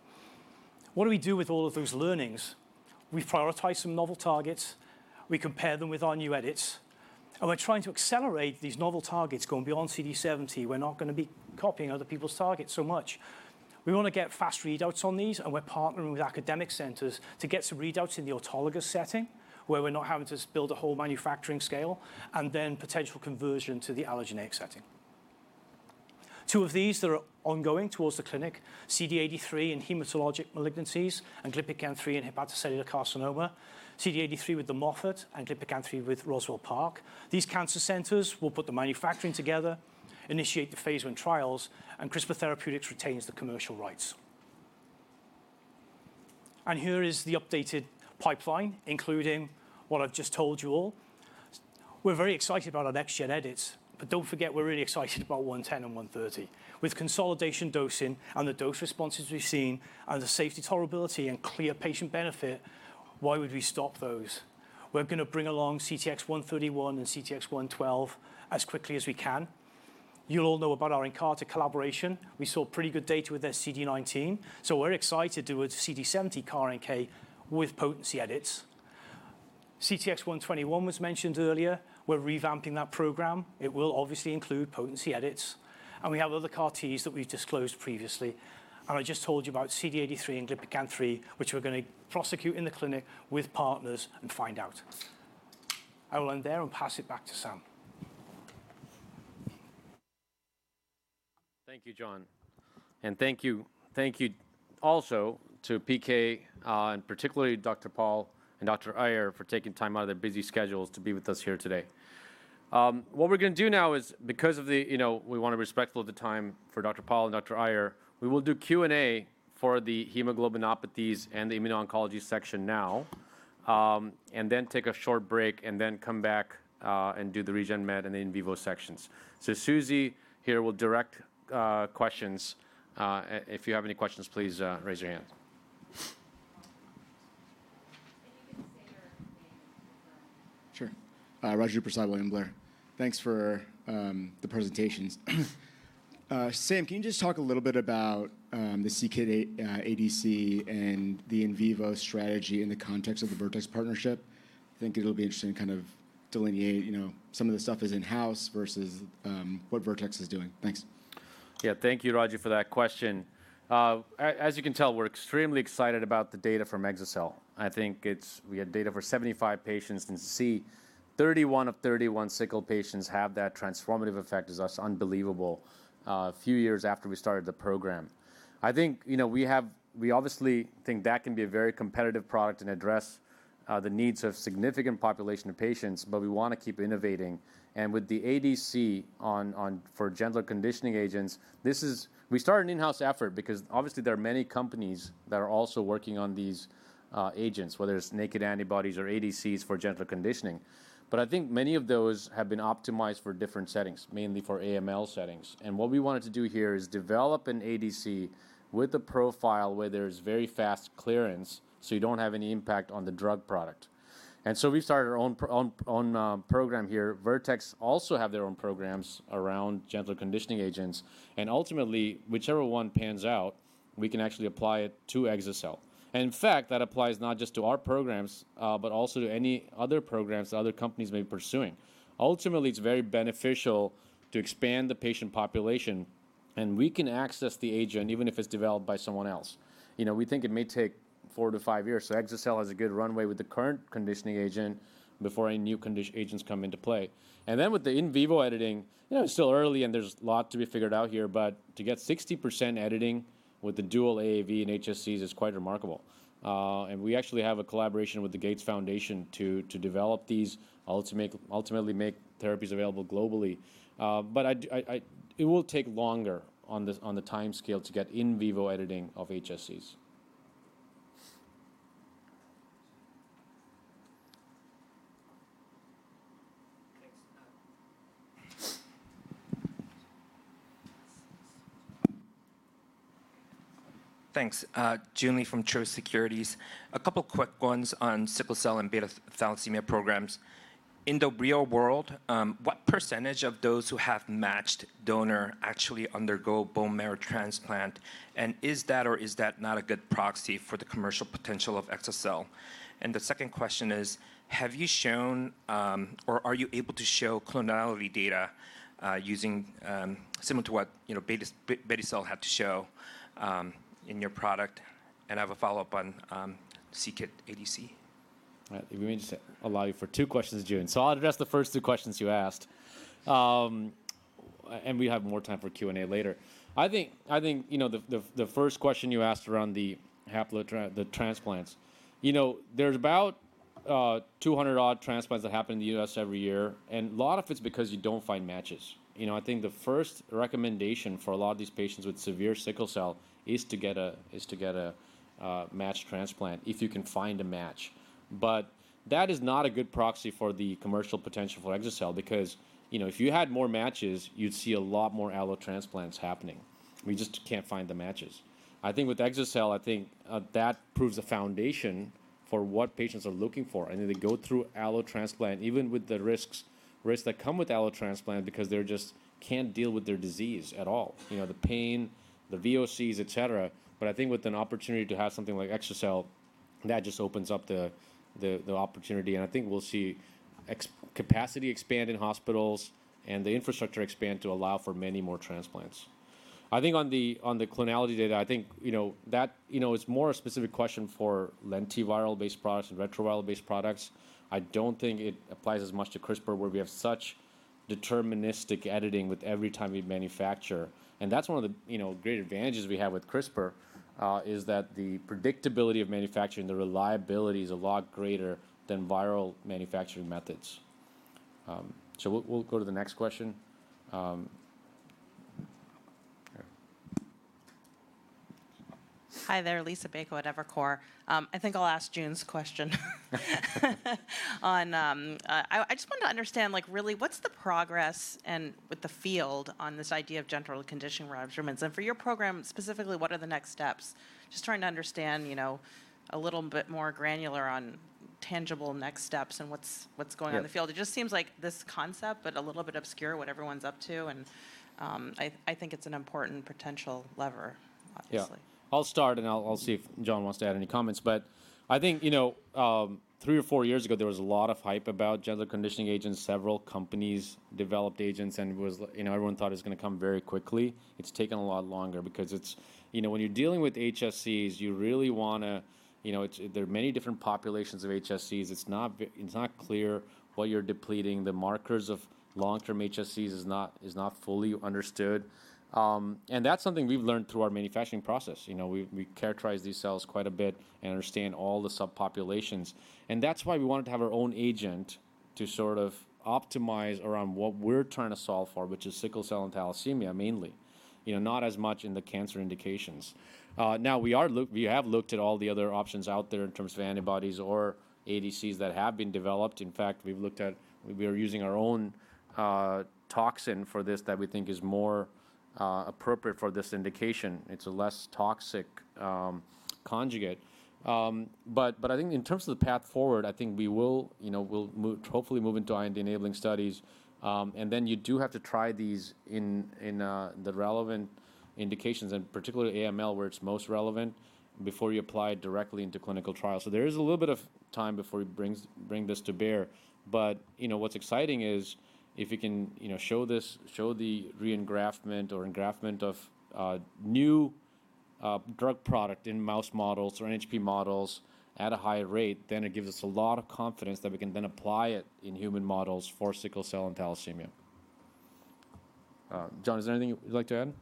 What do we do with all of those learnings? We prioritize some novel targets, we compare them with our new edits, and we're trying to accelerate these novel targets going beyond CD70. We're not gonna be copying other people's targets so much. We want to get fast readouts on these, and we're partnering with academic centers to get some readouts in the autologous setting where we're not having to build a whole manufacturing scale and then potential conversion to the allogeneic setting. Two of these that are ongoing towards the clinic, CD83 in hematologic malignancies and Glypican-3 in hepatocellular carcinoma, CD83 with the Moffitt and Glypican-3 with Roswell Park. These cancer centers will put the manufacturing together, initiate the phase one trials, and CRISPR Therapeutics retains the commercial rights. Here is the updated pipeline, including what I've just told you all. We're very excited about our next gen edits, but don't forget we're really excited about 110 and 130. With consolidation dosing and the dose responses we've seen and the safety tolerability and clear patient benefit, why would we stop those? We're gonna bring along CTX131 and CTX112 as quickly as we can. You all know about our Nkarta collaboration. We saw pretty good data with their CD19, so we're excited to do a CD70 CAR NK with potency edits. CTX121 was mentioned earlier. We're revamping that program. It will obviously include potency edits, and we have other CAR Ts that we've disclosed previously. I just told you about CD83 and Glypican-3, which we're gonna prosecute in the clinic with partners and find out. I will end there and pass it back to Sam. Thank you, Jon, and thank you also to PK, and particularly Dr. Pal and Dr. Iyer for taking time out of their busy schedules to be with us here today. What we're gonna do now is because of the, you know, we wanna be respectful of the time for Dr. Pal and Dr. Iyer, we will do Q&A for the hemoglobinopathies and the immuno-oncology section now, and then take a short break and then come back, and do the Regen Med and in vivo sections. Susie here will direct questions. If you have any questions, please raise your hand. You can state your name for- Sure. Raju Prasad, William Blair. Thanks for the presentations. Sam, can you just talk a little bit about the c-Kit ADC and the in vivo strategy in the context of the Vertex partnership? I think it'll be interesting to kind of delineate, you know, some of the stuff that's in-house versus what Vertex is doing. Thanks. Yeah. Thank you, Raju, for that question. As you can tell, we're extremely excited about the data from exa-cel. I think it's we had data for 75 patients, and to see 31 of 31 sickle patients have that transformative effect is just unbelievable, a few years after we started the program. I think, we obviously think that can be a very competitive product and address the needs of significant population of patients, but we wanna keep innovating. With the ADC for gentler conditioning agents, we started an in-house effort because obviously there are many companies that are also working on these agents, whether it's naked antibodies or ADCs for gentler conditioning. I think many of those have been optimized for different settings, mainly for AML settings. What we wanted to do here is develop an ADC with a profile where there's very fast clearance, so you don't have any impact on the drug product. We started our own program here. Vertex also have their own programs around gentler conditioning agents, and ultimately, whichever one pans out, we can actually apply it to exa-cel. In fact, that applies not just to our programs, but also to any other programs that other companies may be pursuing. Ultimately, it's very beneficial to expand the patient population, and we can access the agent even if it's developed by someone else. You know, we think it may take 4-5 years, so exa-cel has a good runway with the current conditioning agent before any new conditioning agents come into play. With the in vivo editing, you know, it's still early and there's a lot to be figured out here, but to get 60% editing with the dual AAV and HSCs is quite remarkable. We actually have a collaboration with the Gates Foundation to develop these, ultimately make therapies available globally. It will take longer on the timescale to get in vivo editing of HSCs. Thanks. Thanks. Joon Lee from Truist Securities. A couple quick ones on sickle cell and beta thalassemia programs. In the real world, what percentage of those who have matched donor actually undergo bone marrow transplant? And is that or is that not a good proxy for the commercial potential of exa-cel? And the second question is, have you shown or are you able to show clonality data using similar to what, you know, beta cell had to show in your product? And I have a follow-up on c-Kit ADC. All right. We may just allow you for two questions, Joon. I'll address the first two questions you asked. And we have more time for Q&A later. I think you know the first question you asked around the transplants. You know, there's about 200-odd transplants that happen in the U.S. every year, and a lot of it's because you don't find matches. You know, I think the first recommendation for a lot of these patients with severe sickle cell is to get a matched transplant, if you can find a match. That is not a good proxy for the commercial potential for exa-cel because, you know, if you had more matches, you'd see a lot more allo transplants happening. We just can't find the matches. I think with exa-cel, I think that proves a foundation for what patients are looking for, and then they go through allo transplant, even with the risks that come with allo transplant because they just can't deal with their disease at all. You know, the pain, the VOCs, et cetera. I think with an opportunity to have something like exa-cel, that just opens up the opportunity, and I think we'll see exa-cel capacity expand in hospitals and the infrastructure expand to allow for many more transplants. I think on the clonality data, I think you know that is more a specific question for lentiviral-based products and retroviral-based products. I don't think it applies as much to CRISPR, where we have such deterministic editing with every time we manufacture. That's one of the, you know, great advantages we have with CRISPR is that the predictability of manufacturing, the reliability is a lot greater than viral manufacturing methods. We'll go to the next question. Here. Hi there. Liisa Bayko at Evercore. I think I'll ask Joon's question on. I just wanted to understand, like, really what's the progress and with the field on this idea of gentle reconditioning regimens? And for your program specifically, what are the next steps? Just trying to understand, you know, a little bit more granular on tangible next steps and what's going on in the field. Yeah. It just seems like this concept, but a little bit obscure what everyone's up to. I think it's an important potential lever, obviously. Yeah. I'll start, and I'll see if Jon wants to add any comments. I think, you know, three or four years ago, there was a lot of hype about gentler conditioning agents. Several companies developed agents, and it was, you know, everyone thought it was gonna come very quickly. It's taken a lot longer because it's you know, when you're dealing with HSCs, you really wanna you know there are many different populations of HSCs. It's not clear what you're depleting. The markers of long-term HSCs is not fully understood. That's something we've learned through our manufacturing process. You know, we characterize these cells quite a bit and understand all the subpopulations. That's why we wanted to have our own agent to sort of optimize around what we're trying to solve for, which is sickle cell and thalassemia mainly, not as much in the cancer indications. Now we have looked at all the other options out there in terms of antibodies or ADCs that have been developed. In fact, we've looked at. We are using our own toxin for this that we think is more appropriate for this indication. It's a less toxic conjugate. I think in terms of the path forward, I think we will hopefully move into IND-enabling studies. Then you do have to try these in the relevant indications, and particularly AML, where it's most relevant, before you apply it directly into clinical trial. There is a little bit of time before we bring this to bear. But, you know, what's exciting is if you can, you know, show the re-engraftment or engraftment of new drug product in mouse models or NHP models at a higher rate, then it gives us a lot of confidence that we can then apply it in human models for sickle cell and thalassemia. Jon, is there anything you'd like to add?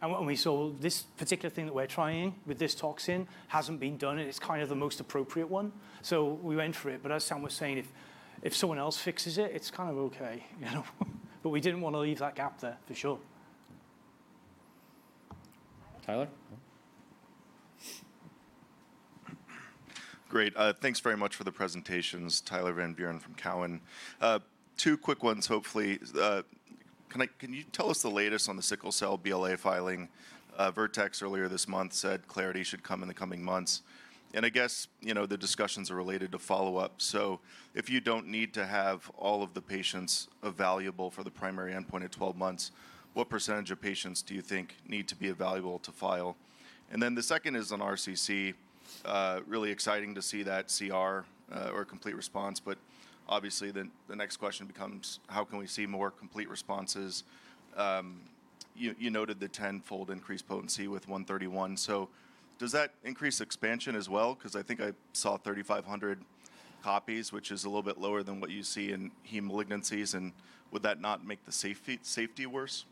I would obviously. There was a gap in what everyone else was doing. When we saw this particular thing that we're trying with this toxin hasn't been done, and it's kind of the most appropriate one. We went for it, but as Sam was saying, if someone else fixes it's kind of okay, you know? We didn't wanna leave that gap there, for sure. Tyler? Great. Thanks very much for the presentations. Tyler Van Buren from Cowen. Two quick ones, hopefully. Can you tell us the latest on the sickle cell BLA filing? Vertex earlier this month said clarity should come in the coming months. I guess, you know, the discussions are related to follow-up. If you don't need to have all of the patients evaluable for the primary endpoint at 12 months, what percentage of patients do you think need to be evaluable to file? Then the second is on RCC. Really exciting to see that CR, or complete response, but obviously the next question becomes, how can we see more complete responses? You noted the tenfold increased potency with CTX131. Does that increase expansion as well? 'Cause I think I saw 3,500 copies, which is a little bit lower than what you see in heme malignancies, and would that not make the safety worse?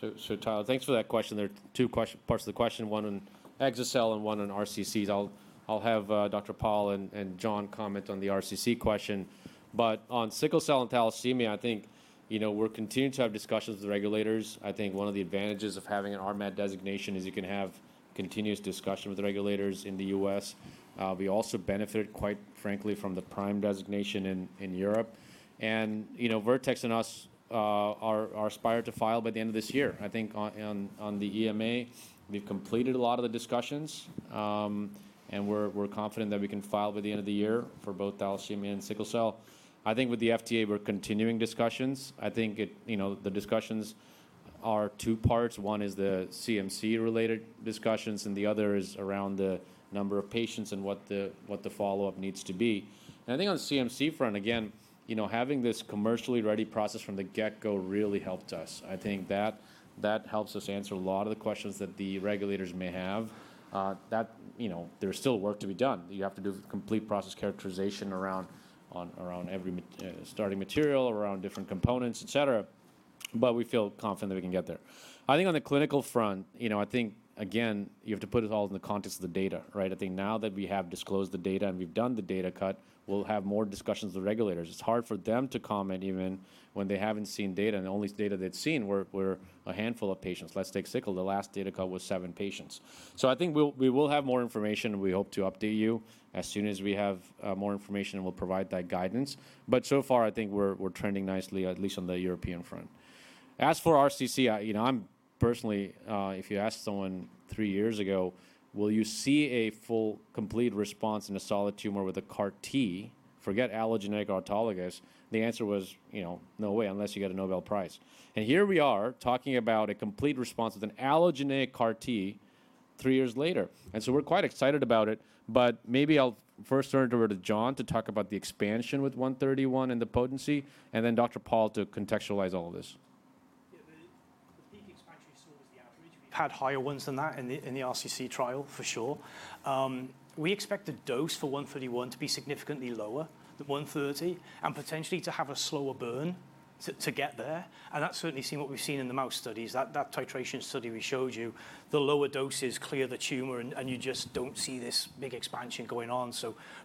Tyler, thanks for that question. There are two parts to the question, one on exa-cel and one on RCCs. I'll have Dr. Pal and Jon comment on the RCC question. On sickle cell and thalassemia, I think, you know, we're continuing to have discussions with the regulators. I think one of the advantages of having an RMAT designation is you can have continuous discussion with the regulators in the U.S. We also benefit, quite frankly, from the PRIME designation in Europe. You know, Vertex and us are aspire to file by the end of this year. I think on the EMA, we've completed a lot of the discussions, and we're confident that we can file by the end of the year for both thalassemia and sickle cell. I think with the FDA, we're continuing discussions. I think it, you know, the discussions are two parts. One is the CMC-related discussions, and the other is around the number of patients and what the follow-up needs to be. I think on the CMC front, again, you know, having this commercially ready process from the get-go really helped us. I think that helps us answer a lot of the questions that the regulators may have. That, you know, there's still work to be done. You have to do complete process characterization around every starting material, around different components, et cetera. We feel confident that we can get there. I think on the clinical front, you know, I think, again, you have to put it all in the context of the data, right? I think now that we have disclosed the data and we've done the data cut, we'll have more discussions with regulators. It's hard for them to comment even when they haven't seen data, and the only data they'd seen were a handful of patients. Let's take sickle. The last data cut was seven patients. I think we will have more information, and we hope to update you as soon as we have more information, and we'll provide that guidance. So far, I think we're trending nicely, at least on the European front. As for RCC, you know, I'm personally if you asked someone three years ago, "Will you see a full complete response in a solid tumor with a CAR T?" Forget allogeneic, autologous. The answer was, you know, "No way, unless you get a Nobel Prize." Here we are talking about a complete response with an allogeneic CAR T three years later. We're quite excited about it, but maybe I'll first turn it over to Jon to talk about the expansion with CTX131 and the potency, and then Dr. Sumanta Pal to contextualize all of this. Yeah, the peak expansion you saw was the average. We've had higher ones than that in the RCC trial for sure. We expect the dose for CTX131 to be significantly lower than CTX130 and potentially to have a slower burn to get there. That's certainly seen what we've seen in the mouse studies. That titration study we showed you, the lower doses clear the tumor and you just don't see this big expansion going on.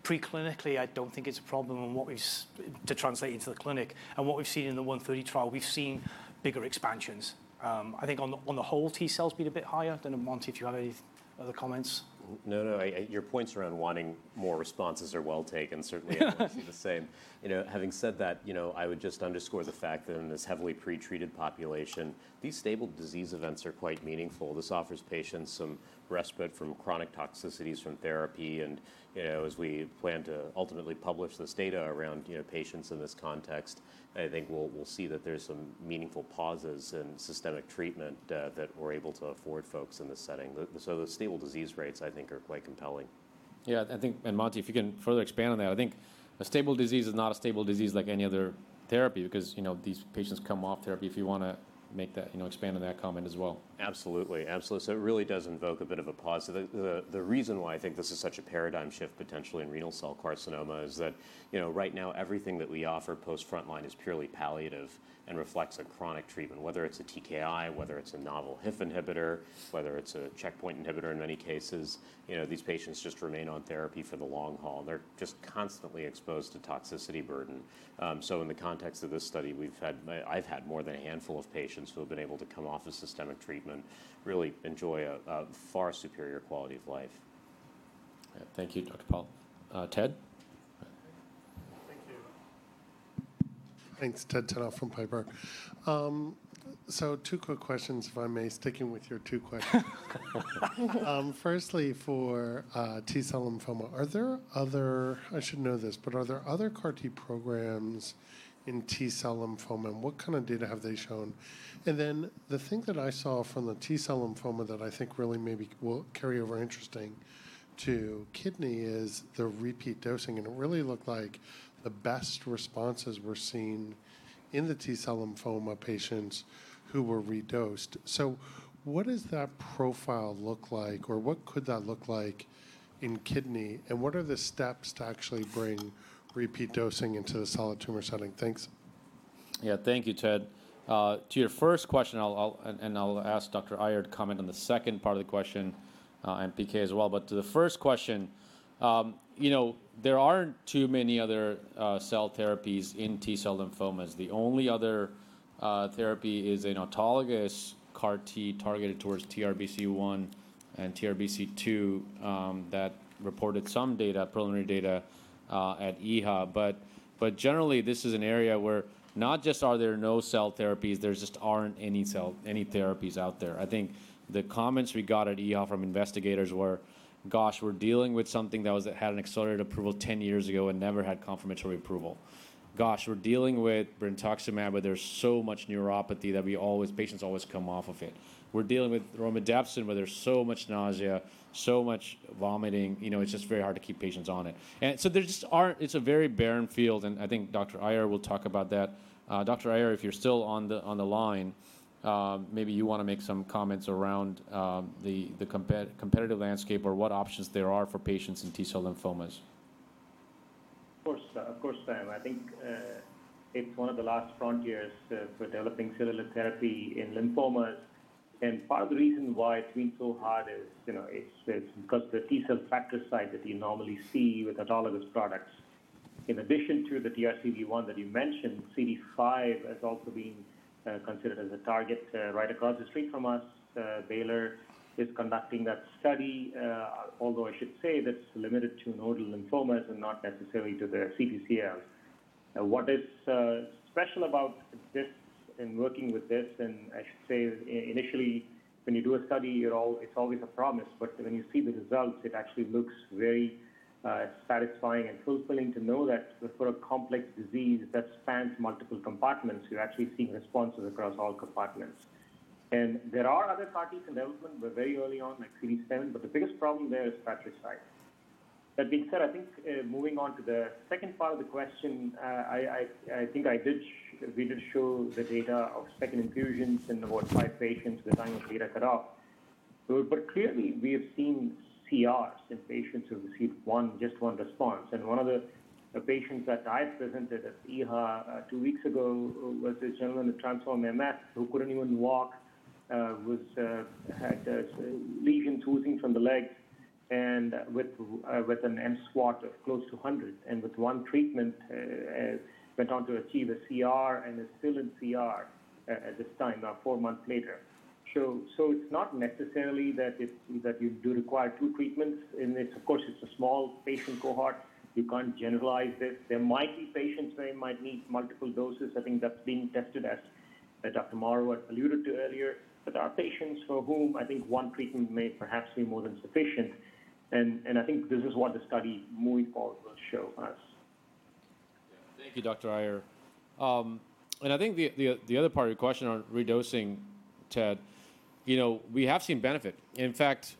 Pre-clinically, I don't think it's a problem on what we've seen to translate into the clinic. What we've seen in the 130 trial, we've seen bigger expansions. I think on the whole T cells being a bit higher. I don't know, Monty, if you have any other comments. No, no. Your points around wanting more responses are well taken. I see the same. You know, having said that, you know, I would just underscore the fact that in this heavily pre-treated population, these stable disease events are quite meaningful. This offers patients some respite from chronic toxicities from therapy and, you know, as we plan to ultimately publish this data around, you know, patients in this context, I think we'll see that there's some meaningful pauses in systemic treatment that we're able to afford folks in this setting. The stable disease rates I think are quite compelling. Yeah. I think Monty, if you can further expand on that. I think a stable disease is not a stable disease like any other therapy because, you know, these patients come off therapy, if you wanna make that, you know, expand on that comment as well. Absolutely. It really does invoke a bit of a pause. The reason why I think this is such a paradigm shift potentially in renal cell carcinoma is that, you know, right now everything that we offer post-front line is purely palliative and reflects a chronic treatment, whether it's a TKI, whether it's a novel HIF inhibitor, whether it's a checkpoint inhibitor in many cases. You know, these patients just remain on therapy for the long haul, and they're just constantly exposed to toxicity burden. In the context of this study, I've had more than a handful of patients who have been able to come off of systemic treatment, really enjoy a far superior quality of life. Thank you, Dr. Pal. Ted? Thank you. Thanks. Ted Tenthoff from Piper. Two quick questions, if I may, sticking with your two questions. Firstly, for T-cell lymphoma, are there other CAR-T programs in T-cell lymphoma, and what kind of data have they shown? Then the thing that I saw from the T-cell lymphoma that I think really maybe will carryover interesting to kidney is the repeat dosing, and it really looked like the best responses were seen in the T-cell lymphoma patients who were re-dosed. What does that profile look like or what could that look like in kidney, and what are the steps to actually bring repeat dosing into the solid tumor setting? Thanks. Yeah. Thank you, Ted. To your first question, I'll ask Dr. Iyer to comment on the second part of the question, and PK as well. To the first question, you know, there aren't too many other cell therapies in T-cell lymphomas. The only other therapy is an autologous CAR-T targeted towards TRBC1 and TRBC2 that reported some data, preliminary data, at EHA. Generally, this is an area where not just are there no cell therapies, there just aren't any therapies out there. I think the comments we got at EHA from investigators were, "Gosh, we're dealing with something that had an accelerated approval 10 years ago and never had confirmatory approval. Gosh, we're dealing with Brentuximab where there's so much neuropathy that patients always come off of it. We're dealing with Romidepsin where there's so much nausea, so much vomiting, you know, it's just very hard to keep patients on it." There just aren't. It's a very barren field, and I think Dr. Iyer will talk about that. Dr. Iyer, if you're still on the line, maybe you wanna make some comments around the competitive landscape or what options there are for patients in T-cell lymphomas. Of course, Sam. I think it's one of the last frontiers for developing cellular therapy in lymphomas. Part of the reason why it's been so hard is, you know, it's because the T-cell fratricide that you normally see with autologous products. In addition to the TRBC1 that you mentioned, CD5 is also being considered as a target. Right across the street from us, Baylor is conducting that study. Although I should say that's limited to nodal lymphomas and not necessarily to the CTCL. What is special about this in working with this, and I should say initially, when you do a study, it's always a promise, but when you see the results, it actually looks very satisfying and fulfilling to know that for a complex disease that spans multiple compartments, you're actually seeing responses across all compartments. There are other CAR T in development. We're very early on, like CD7, but the biggest problem there is fratricide. That being said, I think moving on to the second part of the question, I think we did show the data of second infusions in about five patients with final data cut off. Clearly, we have seen CRs in patients who received one, just one response. One of the patients that I presented at EHA two weeks ago was this gentleman with transformed MF who couldn't even walk, had a lesion oozing from the leg and with an mSWAT of close to 100. With one treatment, went on to achieve a CR and is still in CR at this time, now four months later. It's not necessarily that you do require two treatments in this. Of course, it's a small patient cohort. You can't generalize this. There might be patients where you might need multiple doses. I think that's being tested, as Dr. Morrow had alluded to earlier. There are patients for whom I think one treatment may perhaps be more than sufficient. I think this is what the study moving forward will show us. Yeah. Thank you, Dr. Iyer. I think the other part of your question on redosing, Ted, you know, we have seen benefit. In fact,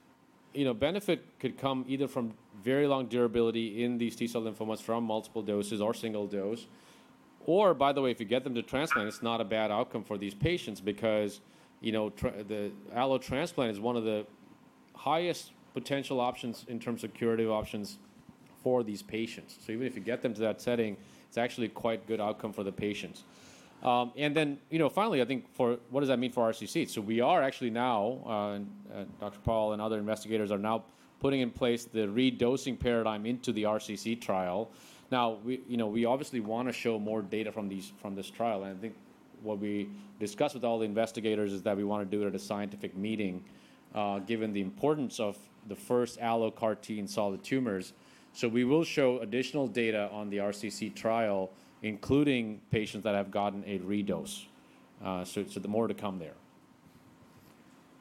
you know, benefit could come either from very long durability in these T-cell lymphomas from multiple doses or single dose, or by the way, if you get them to transplant, it's not a bad outcome for these patients because, you know, the allo transplant is one of the highest potential options in terms of curative options for these patients. Even if you get them to that setting, it's actually quite good outcome for the patients. You know, finally, I think for what does that mean for RCC. We are actually now, and Dr. Pal and other investigators are now putting in place the redosing paradigm into the RCC trial. Now, we, you know, we obviously wanna show more data from this trial, and I think what we discussed with all the investigators is that we wanna do it at a scientific meeting, given the importance of the first allo CAR-T in solid tumors. We will show additional data on the RCC trial, including patients that have gotten a redose. The more to come there.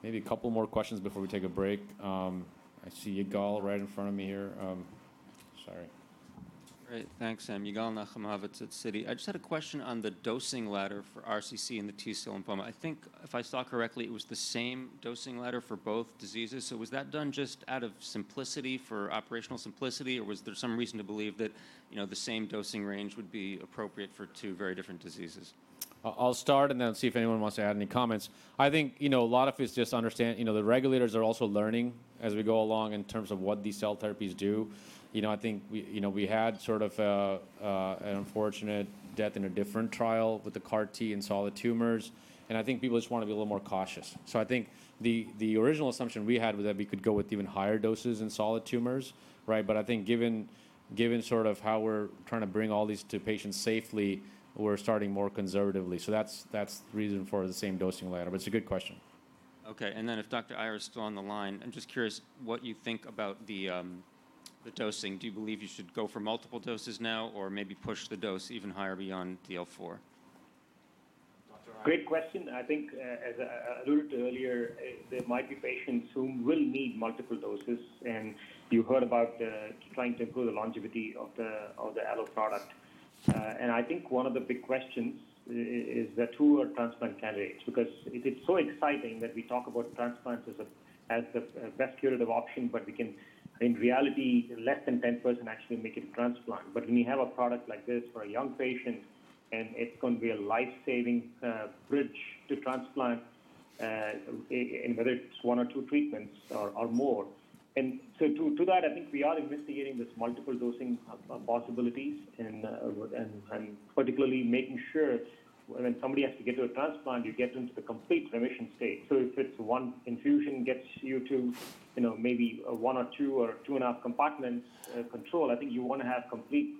Maybe a couple more questions before we take a break. I see Yigal right in front of me here. Sorry. Great. Thanks, Sam. Yigal Nochomovitz at Citi. I just had a question on the dosing ladder for RCC in the T-cell lymphoma. I think if I saw correctly, it was the same dosing ladder for both diseases. Was that done just out of simplicity for operational simplicity, or was there some reason to believe that, you know, the same dosing range would be appropriate for two very different diseases? I'll start and then see if anyone wants to add any comments. I think, you know, a lot of it is just understand, you know, the regulators are also learning as we go along in terms of what these cell therapies do. You know, I think we, you know, we had sort of an unfortunate death in a different trial with the CAR-T in solid tumors, and I think people just wanna be a little more cautious. So I think the original assumption we had was that we could go with even higher doses in solid tumors, right? But I think given sort of how we're trying to bring all these to patients safely, we're starting more conservatively. So that's the reason for the same dosing ladder, but it's a good question. Okay. Then if Dr. Iyer is still on the line. I'm just curious what you think about the dosing. Do you believe you should go for multiple doses now or maybe push the dose even higher beyond DL4? Dr. Iyer. Great question. I think, as I alluded earlier, there might be patients who will need multiple doses. You heard about trying to improve the longevity of the allo product. I think one of the big questions is who are transplant candidates? Because it is so exciting that we talk about transplants as the best curative option, but in reality, less than 10% actually make it to transplant. When you have a product like this for a young patient, and it's going to be a life-saving bridge to transplant, and whether it's one or two treatments or more. To that, I think we are investigating this multiple dosing of possibilities and particularly making sure when somebody has to get to a transplant, you get them to the complete remission state. If it's one infusion gets you to, you know, maybe 1 or 2 or 2.5 compartments control, I think you want to have complete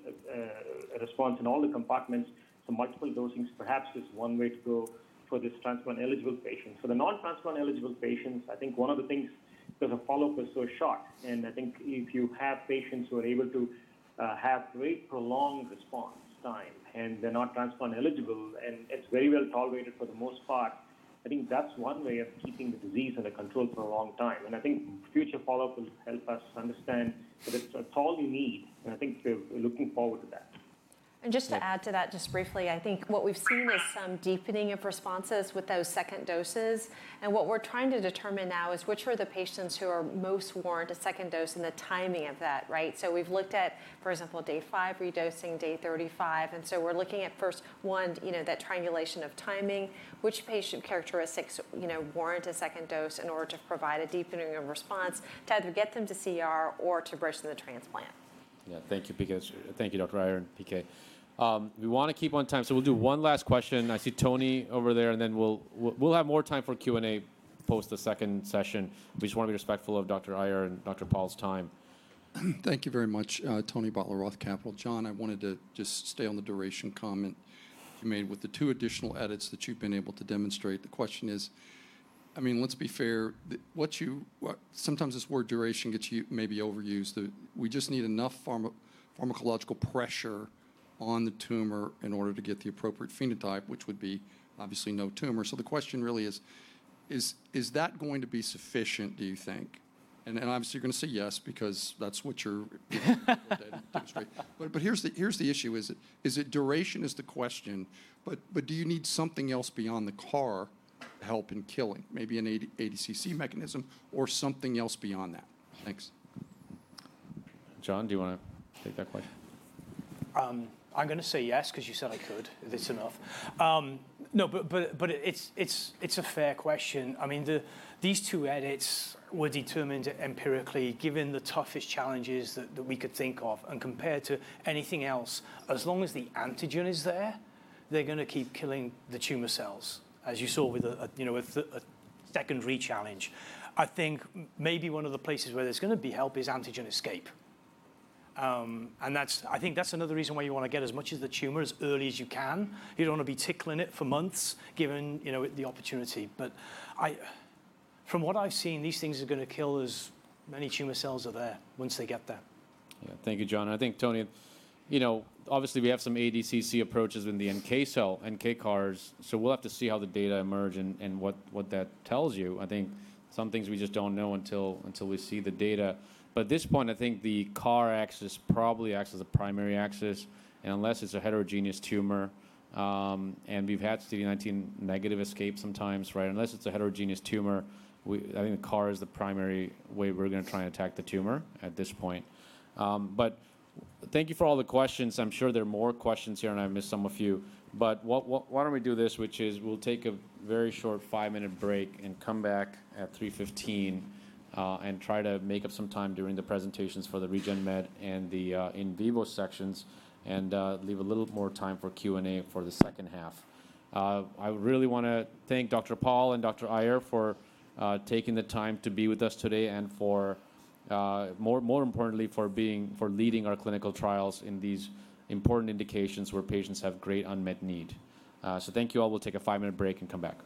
response in all the compartments. Multiple dosings perhaps is one way to go for this transplant-eligible patient. For the non-transplant-eligible patients, I think one of the things because the follow-up is so short, and I think if you have patients who are able to have great prolonged response time, and they're not transplant eligible, and it's very well tolerated for the most part, I think that's one way of keeping the disease under control for a long time. I think future follow-up will help us understand if it's at all unique. I think we're looking forward to that. Just to add to that, just briefly, I think what we've seen is some deepening of responses with those second doses. What we're trying to determine now is which are the patients who are most warrant a second dose and the timing of that, right? We've looked at, for example, day five redosing, day 35. We're looking at first, one, you know, that triangulation of timing. Which patient characteristics, you know, warrant a second dose in order to provide a deepening of response to either get them to CR or to bridge them to transplant. Yeah. Thank you, PK. Thank you, Dr. Iyer and PK. We wanna keep on time, so we'll do one last question. I see Tony over there, and then we'll have more time for Q&A post the second session. We just wanna be respectful of Dr. Iyer and Dr. Pal's time. Thank you very much. Tony Butler, ROTH Capital. Jon, I wanted to just stay on the duration comment you made. With the two additional edits that you've been able to demonstrate, the question is. I mean, let's be fair. What sometimes this word duration gets maybe overused. We just need enough pharmacological pressure on the tumor in order to get the appropriate phenotype, which would be obviously no tumor. The question really is that going to be sufficient, do you think? Then obviously you're gonna say yes because that's what you've deduced from. Here's the issue. Is it duration is the question, but do you need something else beyond the CAR to help in killing? Maybe an ADCC mechanism or something else beyond that? Thanks. Jon, do you wanna take that question? I'm gonna say yes 'cause you said I could if it's enough. No, but it's a fair question. I mean, these two edits were determined empirically given the toughest challenges that we could think of and compared to anything else. As long as the antigen is there, they're gonna keep killing the tumor cells, as you saw with a, you know, with a second re-challenge. I think maybe one of the places where there's gonna be help is antigen escape. I think that's another reason why you wanna get as much of the tumor as early as you can. You don't wanna be tickling it for months given, you know, it the opportunity. From what I've seen, these things are gonna kill as many tumor cells are there once they get there. Yeah. Thank you, Jon. I think, Tony, you know, obviously we have some ADCC approaches in the NK cell, NK CARs, so we'll have to see how the data emerge and what that tells you. I think some things we just don't know until we see the data. At this point, I think the CAR axis probably acts as a primary axis, and unless it's a heterogeneous tumor and we've had CD19 negative escape sometimes, right? I think the CAR is the primary way we're gonna try and attack the tumor at this point. Thank you for all the questions. I'm sure there are more questions here, and I missed some of you. Why don't we do this, which is we'll take a very short 5-minute break and come back at 3:15 P.M., and try to make up some time during the presentations for the Regen Med and the in vivo sections and leave a little more time for Q&A for the second half. I really wanna thank Dr. Pal and Dr. Iyer for taking the time to be with us today and for, more importantly, for leading our clinical trials in these important indications where patients have great unmet need. Thank you all. We'll take a 5-minute break and come back.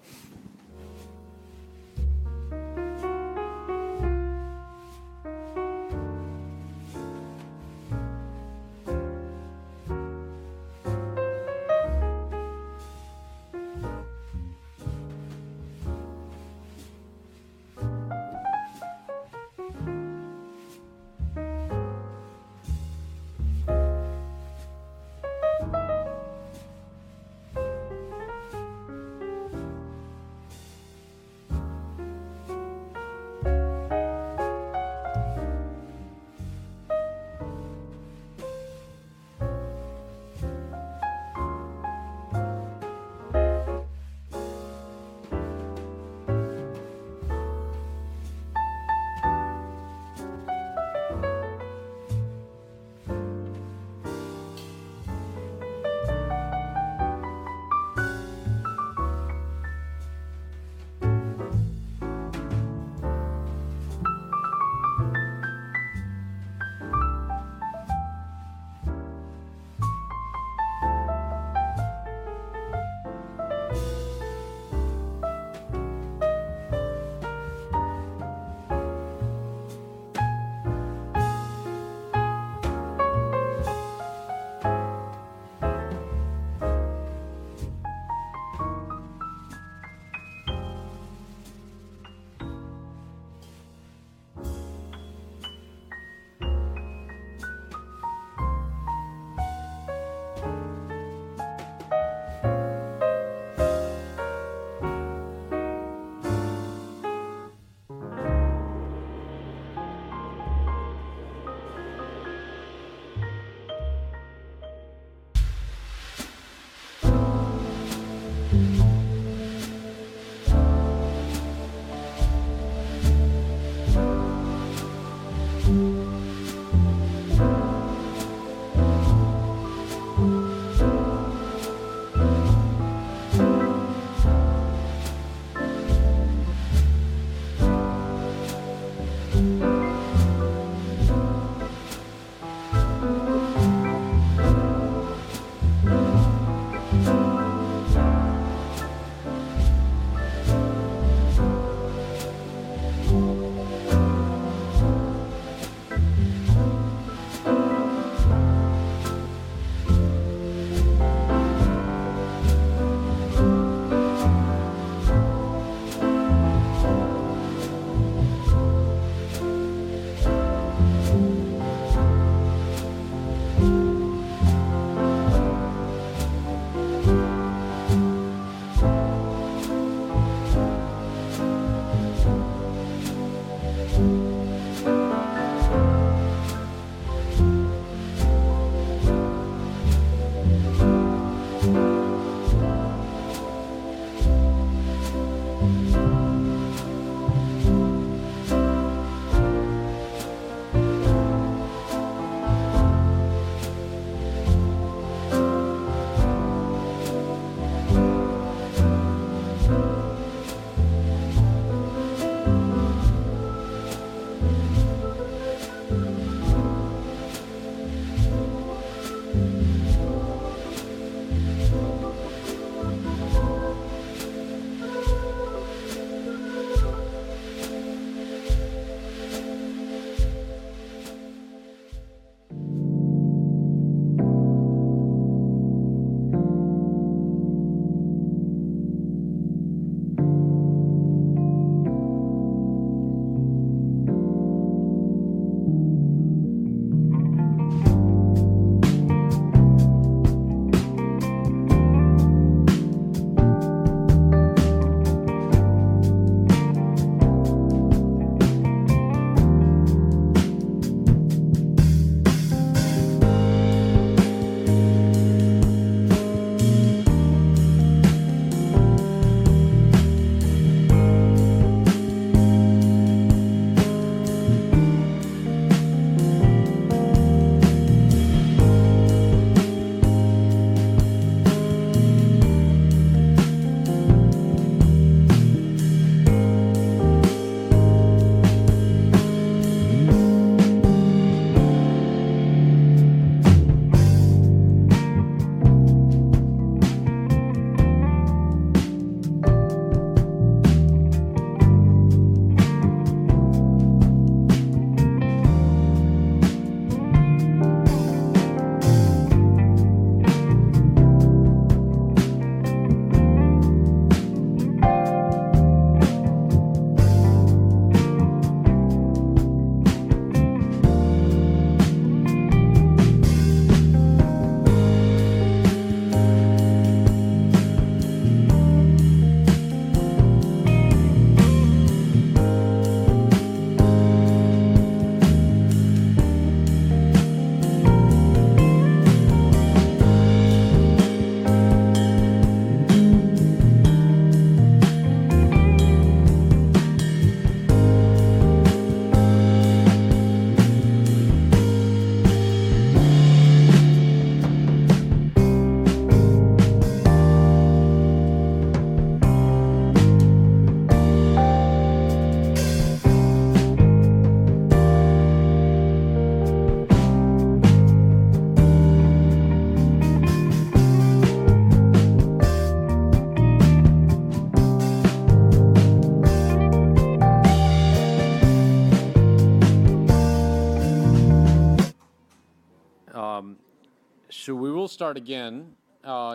We will start again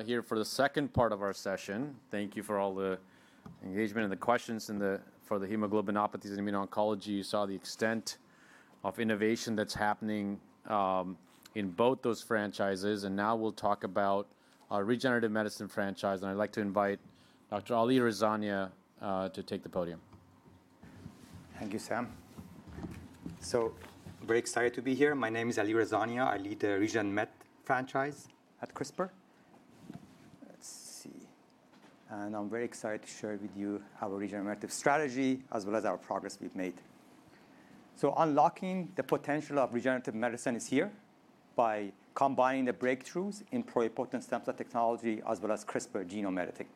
here for the second part of our session. Thank you for all the engagement and the questions for the hemoglobinopathies and immuno-oncology. You saw the extent of innovation that's happening in both those franchises, and now we'll talk about our regenerative medicine franchise. I'd like to invite Dr. Alireza Rezania to take the podium. Thank you, Sam. Very excited to be here. My name is Alireza Rezania. I lead the Regen Med franchise at CRISPR. Let's see. I'm very excited to share with you our regenerative strategy as well as our progress we've made. Unlocking the potential of regenerative medicine is hereby combining the breakthroughs in pluripotent stem cell technology as well as CRISPR genome editing.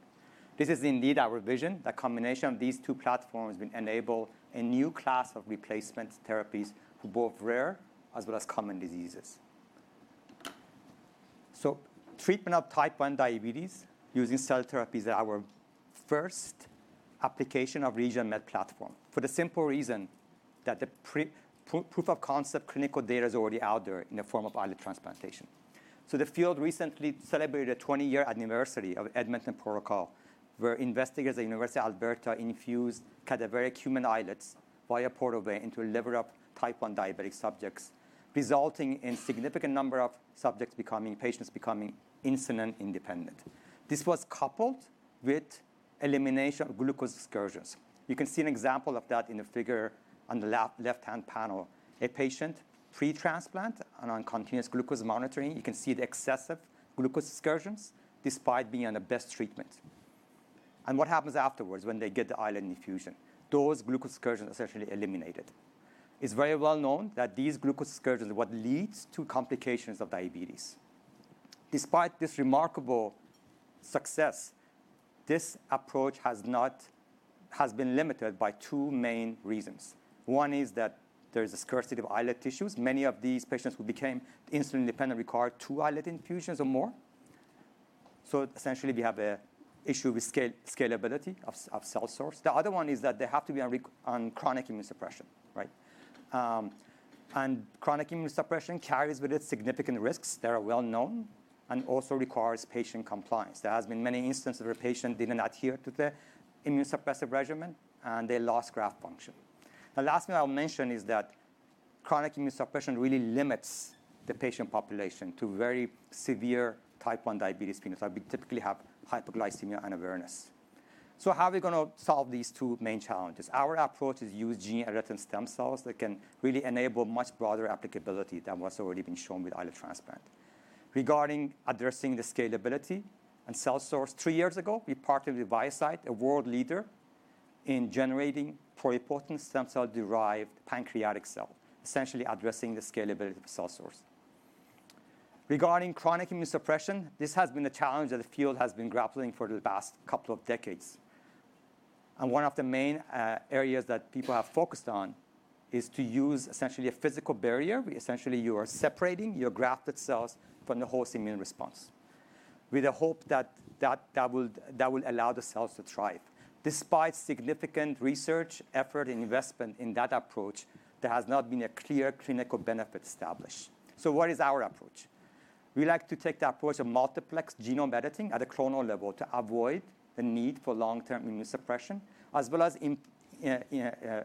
This is indeed our vision, that combination of these two platforms will enable a new class of replacement therapies for both rare as well as common diseases. Treatment of type 1 diabetes using cell therapies is our first application of RegenMed platform for the simple reason that the proof of concept clinical data is already out there in the form of islet transplantation. The field recently celebrated a 20-year anniversary of the Edmonton Protocol, where investigators at University of Alberta infused cadaveric human islets via portal vein into liver of type 1 diabetic subjects, resulting in significant number of patients becoming insulin independent. This was coupled with elimination of glucose excursions. You can see an example of that in the figure on the left-hand panel, a patient pre-transplant and on continuous glucose monitoring, you can see the excessive glucose excursions despite being on the best treatment. What happens afterwards when they get the islet infusion? Those glucose excursions essentially eliminated. It's very well known that these glucose excursions are what leads to complications of diabetes. Despite this remarkable success, this approach has been limited by two main reasons. One is that there is a scarcity of islet tissues. Many of these patients who became insulin dependent require two islet infusions or more. Essentially, we have an issue with scalability of cell source. The other one is that they have to be on chronic immunosuppression, right? Chronic immunosuppression carries with it significant risks that are well known and also requires patient compliance. There have been many instances where a patient didn't adhere to the immunosuppressive regimen, and they lost graft function. The last thing I'll mention is that chronic immunosuppression really limits the patient population to very severe type 1 diabetes phenotype. We typically have hypoglycemia unawareness. How are we gonna solve these two main challenges? Our approach is to use gene-edited stem cells that can really enable much broader applicability than what's already been shown with islet transplant. Regarding addressing the scalability and cell source, three years ago, we partnered with ViaCyte, a world leader in generating pluripotent stem cell-derived pancreatic cell, essentially addressing the scalability of the cell source. Regarding chronic immunosuppression, this has been a challenge that the field has been grappling for the past couple of decades. One of the main areas that people have focused on is to use essentially a physical barrier, where essentially you are separating your grafted cells from the host immune response with a hope that will allow the cells to thrive. Despite significant research effort and investment in that approach, there has not been a clear clinical benefit established. What is our approach? We like to take the approach of multiplex genome editing at a cellular level to avoid the need for long-term immunosuppression, as well as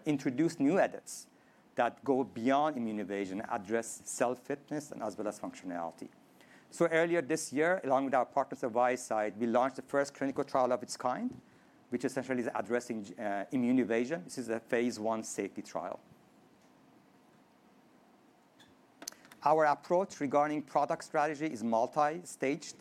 introduce new edits that go beyond immunoevasion, address cell fitness and as well as functionality. Earlier this year, along with our partners at ViaCyte, we launched the first clinical trial of its kind, which essentially is addressing immunoevasion. This is a phase one safety trial. Our approach regarding product strategy is multi-staged,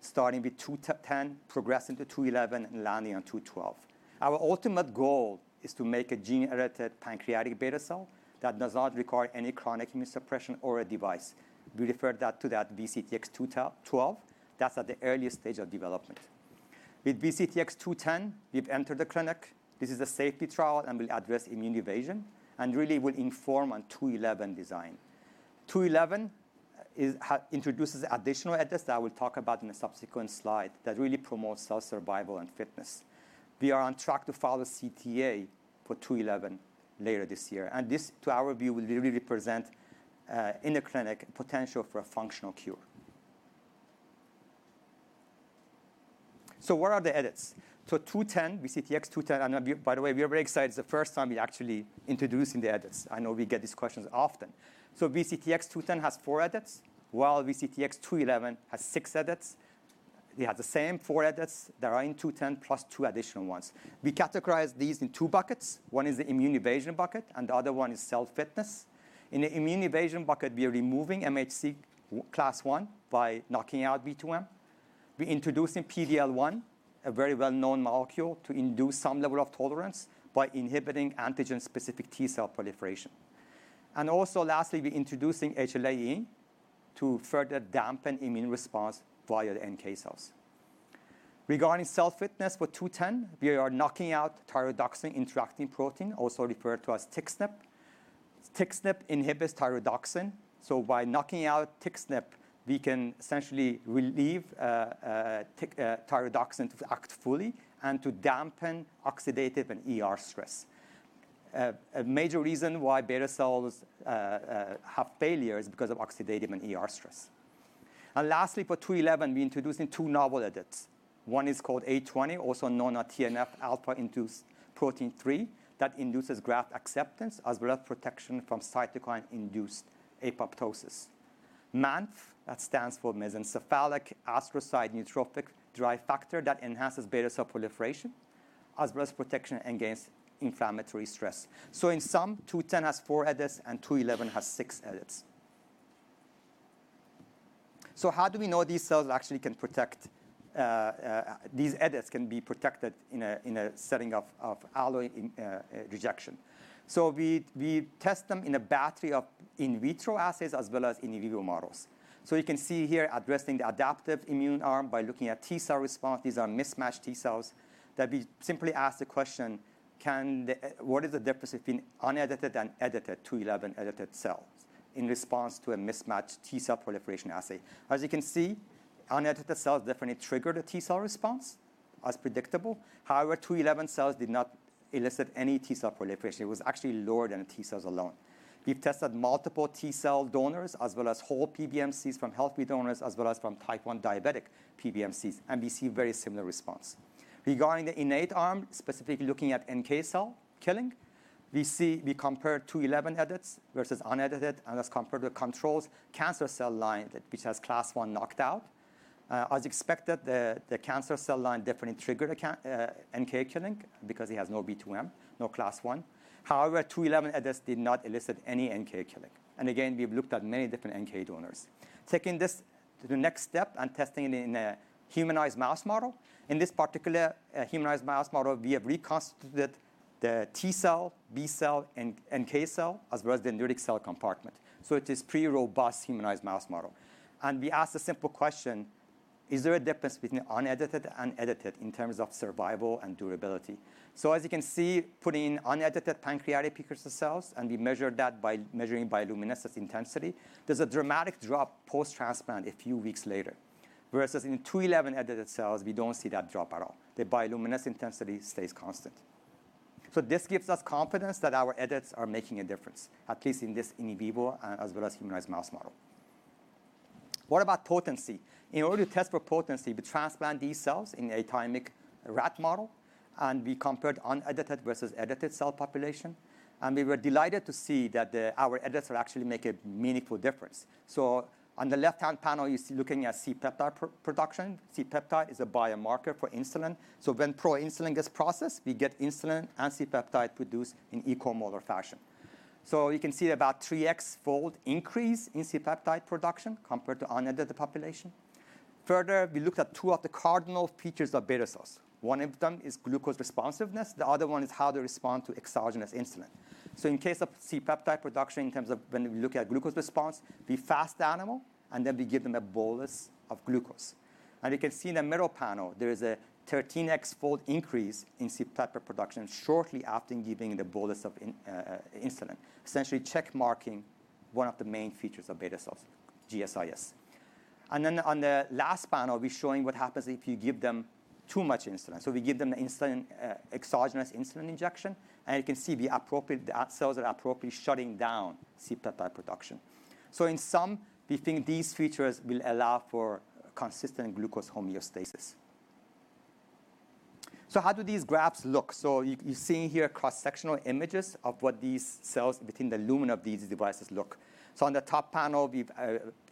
starting with 210, progressing to 211, and landing on 212. Our ultimate goal is to make a gene-edited pancreatic beta cell that does not require any chronic immunosuppression or a device. We refer to that as VCTX212. That's at the earliest stage of development. With VCTX210, we've entered the clinic. This is a safety trial, and we'll address immune evasion, and really will inform on two eleven design. Two eleven is introduces additional edits that we'll talk about in a subsequent slide that really promotes cell survival and fitness. We are on track to file a CTA for 211 later this year, and this, to our view, will really represent, in the clinic potential for a functional cure. What are the edits? 210, VCTX-210, and, by the way, we are very excited. It's the first time we actually introducing the edits. I know we get these questions often. VCTX-210 has four edits, while VCTX-211 has six edits. We have the same four edits that are in 210 plus two additional ones. We categorize these in two buckets. One is the immune evasion bucket, and the other one is cell fitness. In the immunoevasion bucket, we are removing MHC class one by knocking out B2M. We're introducing PDL1, a very well-known molecule, to induce some level of tolerance by inhibiting antigen-specific T-cell proliferation. Also lastly, we're introducing HLA-E to further dampen immune response via the NK cells. Regarding cell fitness for 210, we are knocking out thioredoxin interacting protein, also referred to as TXNIP. TXNIP inhibits thioredoxin, so by knocking out TXNIP, we can essentially relieve thioredoxin to act fully and to dampen oxidative and ER stress. A major reason why beta cells have failure is because of oxidative and ER stress. Lastly, for 211, we're introducing two novel edits. One is called A20, also known as TNF alpha-induced protein 3 that induces graft acceptance as well as protection from cytokine-induced apoptosis. MANF, that stands for mesencephalic astrocyte-derived neurotrophic factor that enhances beta cell proliferation as well as protection against inflammatory stress. In sum, 210 has four edits, and 211 has six edits. How do we know these cells actually can protect, these edits can be protected in a setting of allogeneic rejection? We test them in a battery of in vitro assays as well as in vivo models. You can see here addressing the adaptive immune arm by looking at T cell response. These are mismatched T cells that we simply ask the question, what is the difference between unedited and edited 211 edited cells in response to a mismatched T cell proliferation assay? As you can see, unedited cells definitely trigger the T cell response as predictable. However, 211 cells did not elicit any T cell proliferation. It was actually lower than T cells alone. We've tested multiple T cell donors as well as whole PBMCs from healthy donors as well as from type 1 diabetic PBMCs, and we see very similar response. Regarding the innate arm, specifically looking at NK cell killing, we see we compare 211 edits versus unedited, and that's compared with controls. Cancer cell line that which has Class I knocked out, as expected, the cancer cell line definitely triggered NK killing because it has no B2M, no Class I. However, 211 edits did not elicit any NK killing. Again, we've looked at many different NK donors. Taking this to the next step and testing it in a humanized mouse model. In this particular humanized mouse model, we have reconstituted the T cell, B cell, and NK cell, as well as the neutrophil cell compartment. It is pretty robust humanized mouse model. We ask a simple question, is there a difference between unedited and edited in terms of survival and durability? As you can see, putting unedited pancreatic precursor cells, and we measure that by measuring bioluminescence intensity, there's a dramatic drop post-transplant a few weeks later. Versus in VCTX211 edited cells, we don't see that drop at all. The bioluminescence intensity stays constant. This gives us confidence that our edits are making a difference, at least in this in vivo as well as humanized mouse model. What about potency? In order to test for potency, we transplant these cells in a diabetic rat model, and we compared unedited versus edited cell population, and we were delighted to see that our edits actually make a meaningful difference. On the left-hand panel, you see looking at C-peptide production. C-peptide is a biomarker for insulin. When proinsulin gets processed, we get insulin and C-peptide produced in equimolar fashion. You can see about 3x fold increase in C-peptide production compared to unedited population. Further, we looked at two of the cardinal features of beta cells. One of them is glucose responsiveness, the other one is how they respond to exogenous insulin. In case of C-peptide production, in terms of when we look at glucose response, we fast the animal, and then we give them a bolus of glucose. You can see in the middle panel, there is a 13x fold increase in C-peptide production shortly after giving the bolus of insulin, essentially check-marking one of the main features of beta cells, GSIS. On the last panel, we're showing what happens if you give them too much insulin. We give them exogenous insulin injection, and you can see the cells are appropriately shutting down C-peptide production. In sum, we think these features will allow for consistent glucose homeostasis. How do these graphs look? You're seeing here cross-sectional images of what these cells between the lumen of these devices look. On the top panel, we've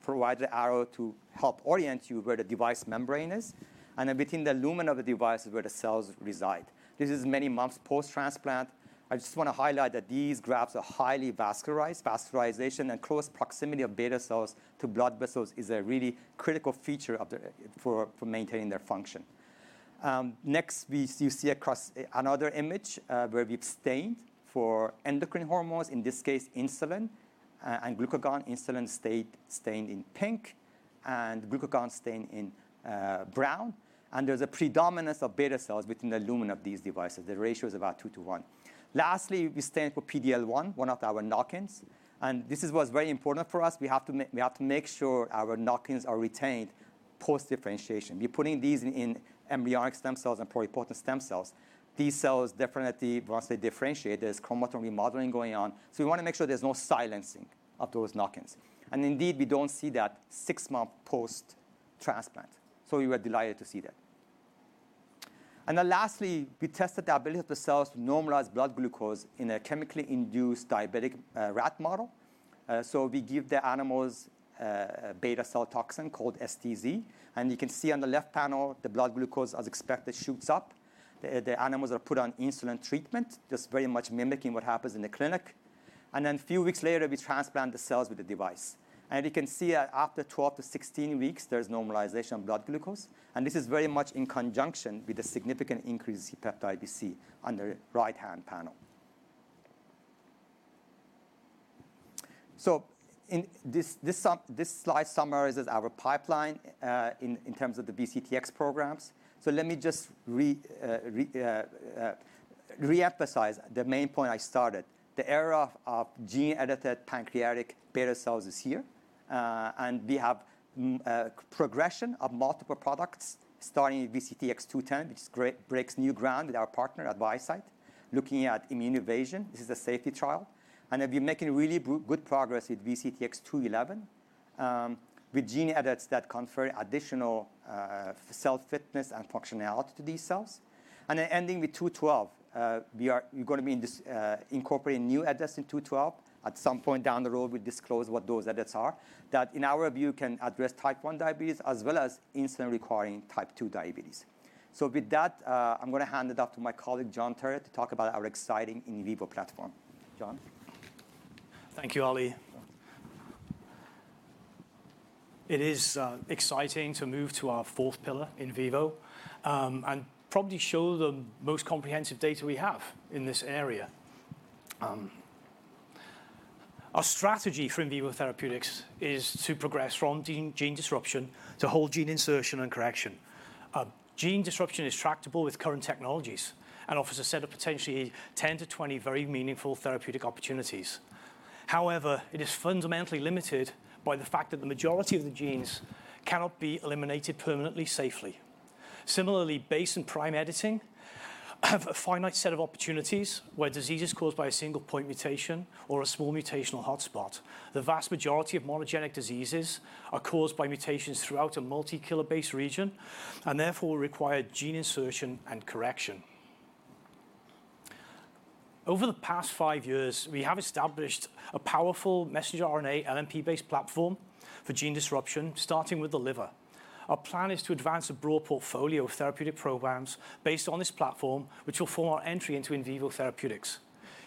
provided the arrow to help orient you where the device membrane is, and then between the lumen of the device is where the cells reside. This is many months post-transplant. I just wanna highlight that these graphs are highly vascularized. Vascularization and close proximity of beta cells to blood vessels is a really critical feature for maintaining their function. Next, we see in another image, where we've stained for endocrine hormones, in this case, insulin and glucagon. Insulin is stained in pink, and glucagon is stained in brown. There's a predominance of beta cells within the lumen of these devices. The ratio is about 2 to 1. Lastly, we stained for PDL1, one of our knockins, and this is what's very important for us. We have to make sure our knockins are retained post-differentiation. We're putting these in embryonic stem cells and pluripotent stem cells. These cells definitely, once they differentiate, there's chromatin remodeling going on. We wanna make sure there's no silencing of those knockins. Indeed, we don't see that six-month post-transplant. We were delighted to see that. Then lastly, we tested the ability of the cells to normalize blood glucose in a chemically induced diabetic rat model. We give the animals beta cell toxin called STZ, and you can see on the left panel, the blood glucose, as expected, shoots up. The animals are put on insulin treatment, just very much mimicking what happens in the clinic. Then a few weeks later, we transplant the cells with the device. You can see, after 12-16 weeks, there's normalization of blood glucose, and this is very much in conjunction with the significant increase in C-peptide we see on the right-hand panel. This slide summarizes our pipeline in terms of the VCTX programs. Let me just re-emphasize the main point I started. The era of gene-edited pancreatic beta cells is here, and we have progression of multiple products starting with VCTX210, which breaks new ground with our partner at ViaCyte looking at immune evasion. This is a safety trial. We've been making really good progress with VCTX211 with gene edits that confer additional cell fitness and functionality to these cells. Then ending with VCTX212, we're gonna be incorporating new edits in VCTX212. At some point down the road, we'll disclose what those edits are, that in our view can address type 1 diabetes as well as insulin-requiring type 2 diabetes. With that, I'm gonna hand it off to my colleague, Jon Terrett, to talk about our exciting in vivo platform. Jon? Thank you, Ali. It is exciting to move to our fourth pillar in vivo, and probably show the most comprehensive data we have in this area. Our strategy for in vivo therapeutics is to progress from gene disruption to whole gene insertion and correction. Gene disruption is tractable with current technologies and offers a set of potentially 10-20 very meaningful therapeutic opportunities. However, it is fundamentally limited by the fact that the majority of the genes cannot be eliminated permanently safely. Similarly, base and prime editing have a finite set of opportunities where disease is caused by a single point mutation or a small mutational hotspot. The vast majority of monogenic diseases are caused by mutations throughout a multi-kilobase region, and therefore require gene insertion and correction. Over the past five years, we have established a powerful messenger RNA LNP-based platform for gene disruption, starting with the liver. Our plan is to advance a broad portfolio of therapeutic programs based on this platform, which will form our entry into in vivo therapeutics.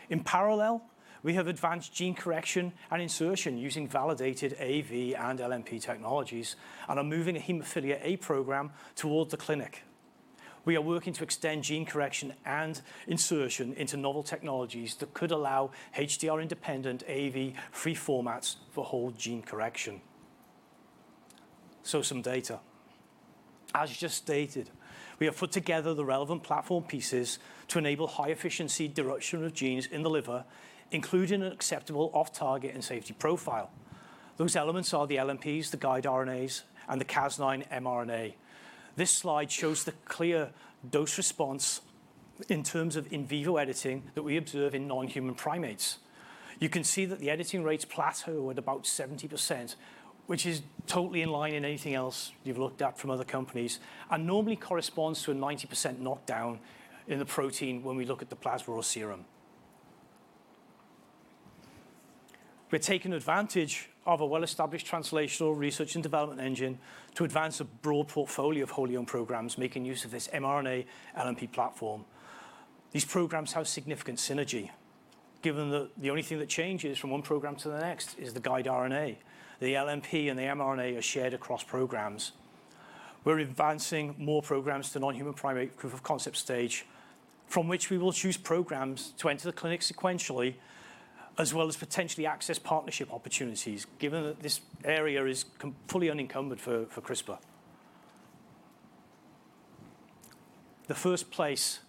In parallel, we have advanced gene correction and insertion using validated AAV and LNP technologies, and are moving a hemophilia A program towards the clinic. We are working to extend gene correction and insertion into novel technologies that could allow HDR independent AAV-free formats for whole gene correction. Some data. As just stated, we have put together the relevant platform pieces to enable high efficiency direction of genes in the liver, including an acceptable off-target and safety profile. Those elements are the LNPs, the guide RNAs, and the Cas9 mRNA. This slide shows the clear dose response in terms of in vivo editing that we observe in non-human primates. You can see that the editing rates plateau at about 70%, which is totally in line with anything else you've looked at from other companies, and normally corresponds to a 90% knockdown in the protein when we look at the plasma or serum. We're taking advantage of a well-established translational research and development engine to advance a broad portfolio of wholly owned programs making use of this mRNA LNP platform. These programs have significant synergy, given that the only thing that changes from one program to the next is the guide RNA. The LNP and the mRNA are shared across programs. We're advancing more programs to non-human primate proof of concept stage, from which we will choose programs to enter the clinic sequentially, as well as potentially access partnership opportunities, given that this area is completely unencumbered for CRISPR. The first place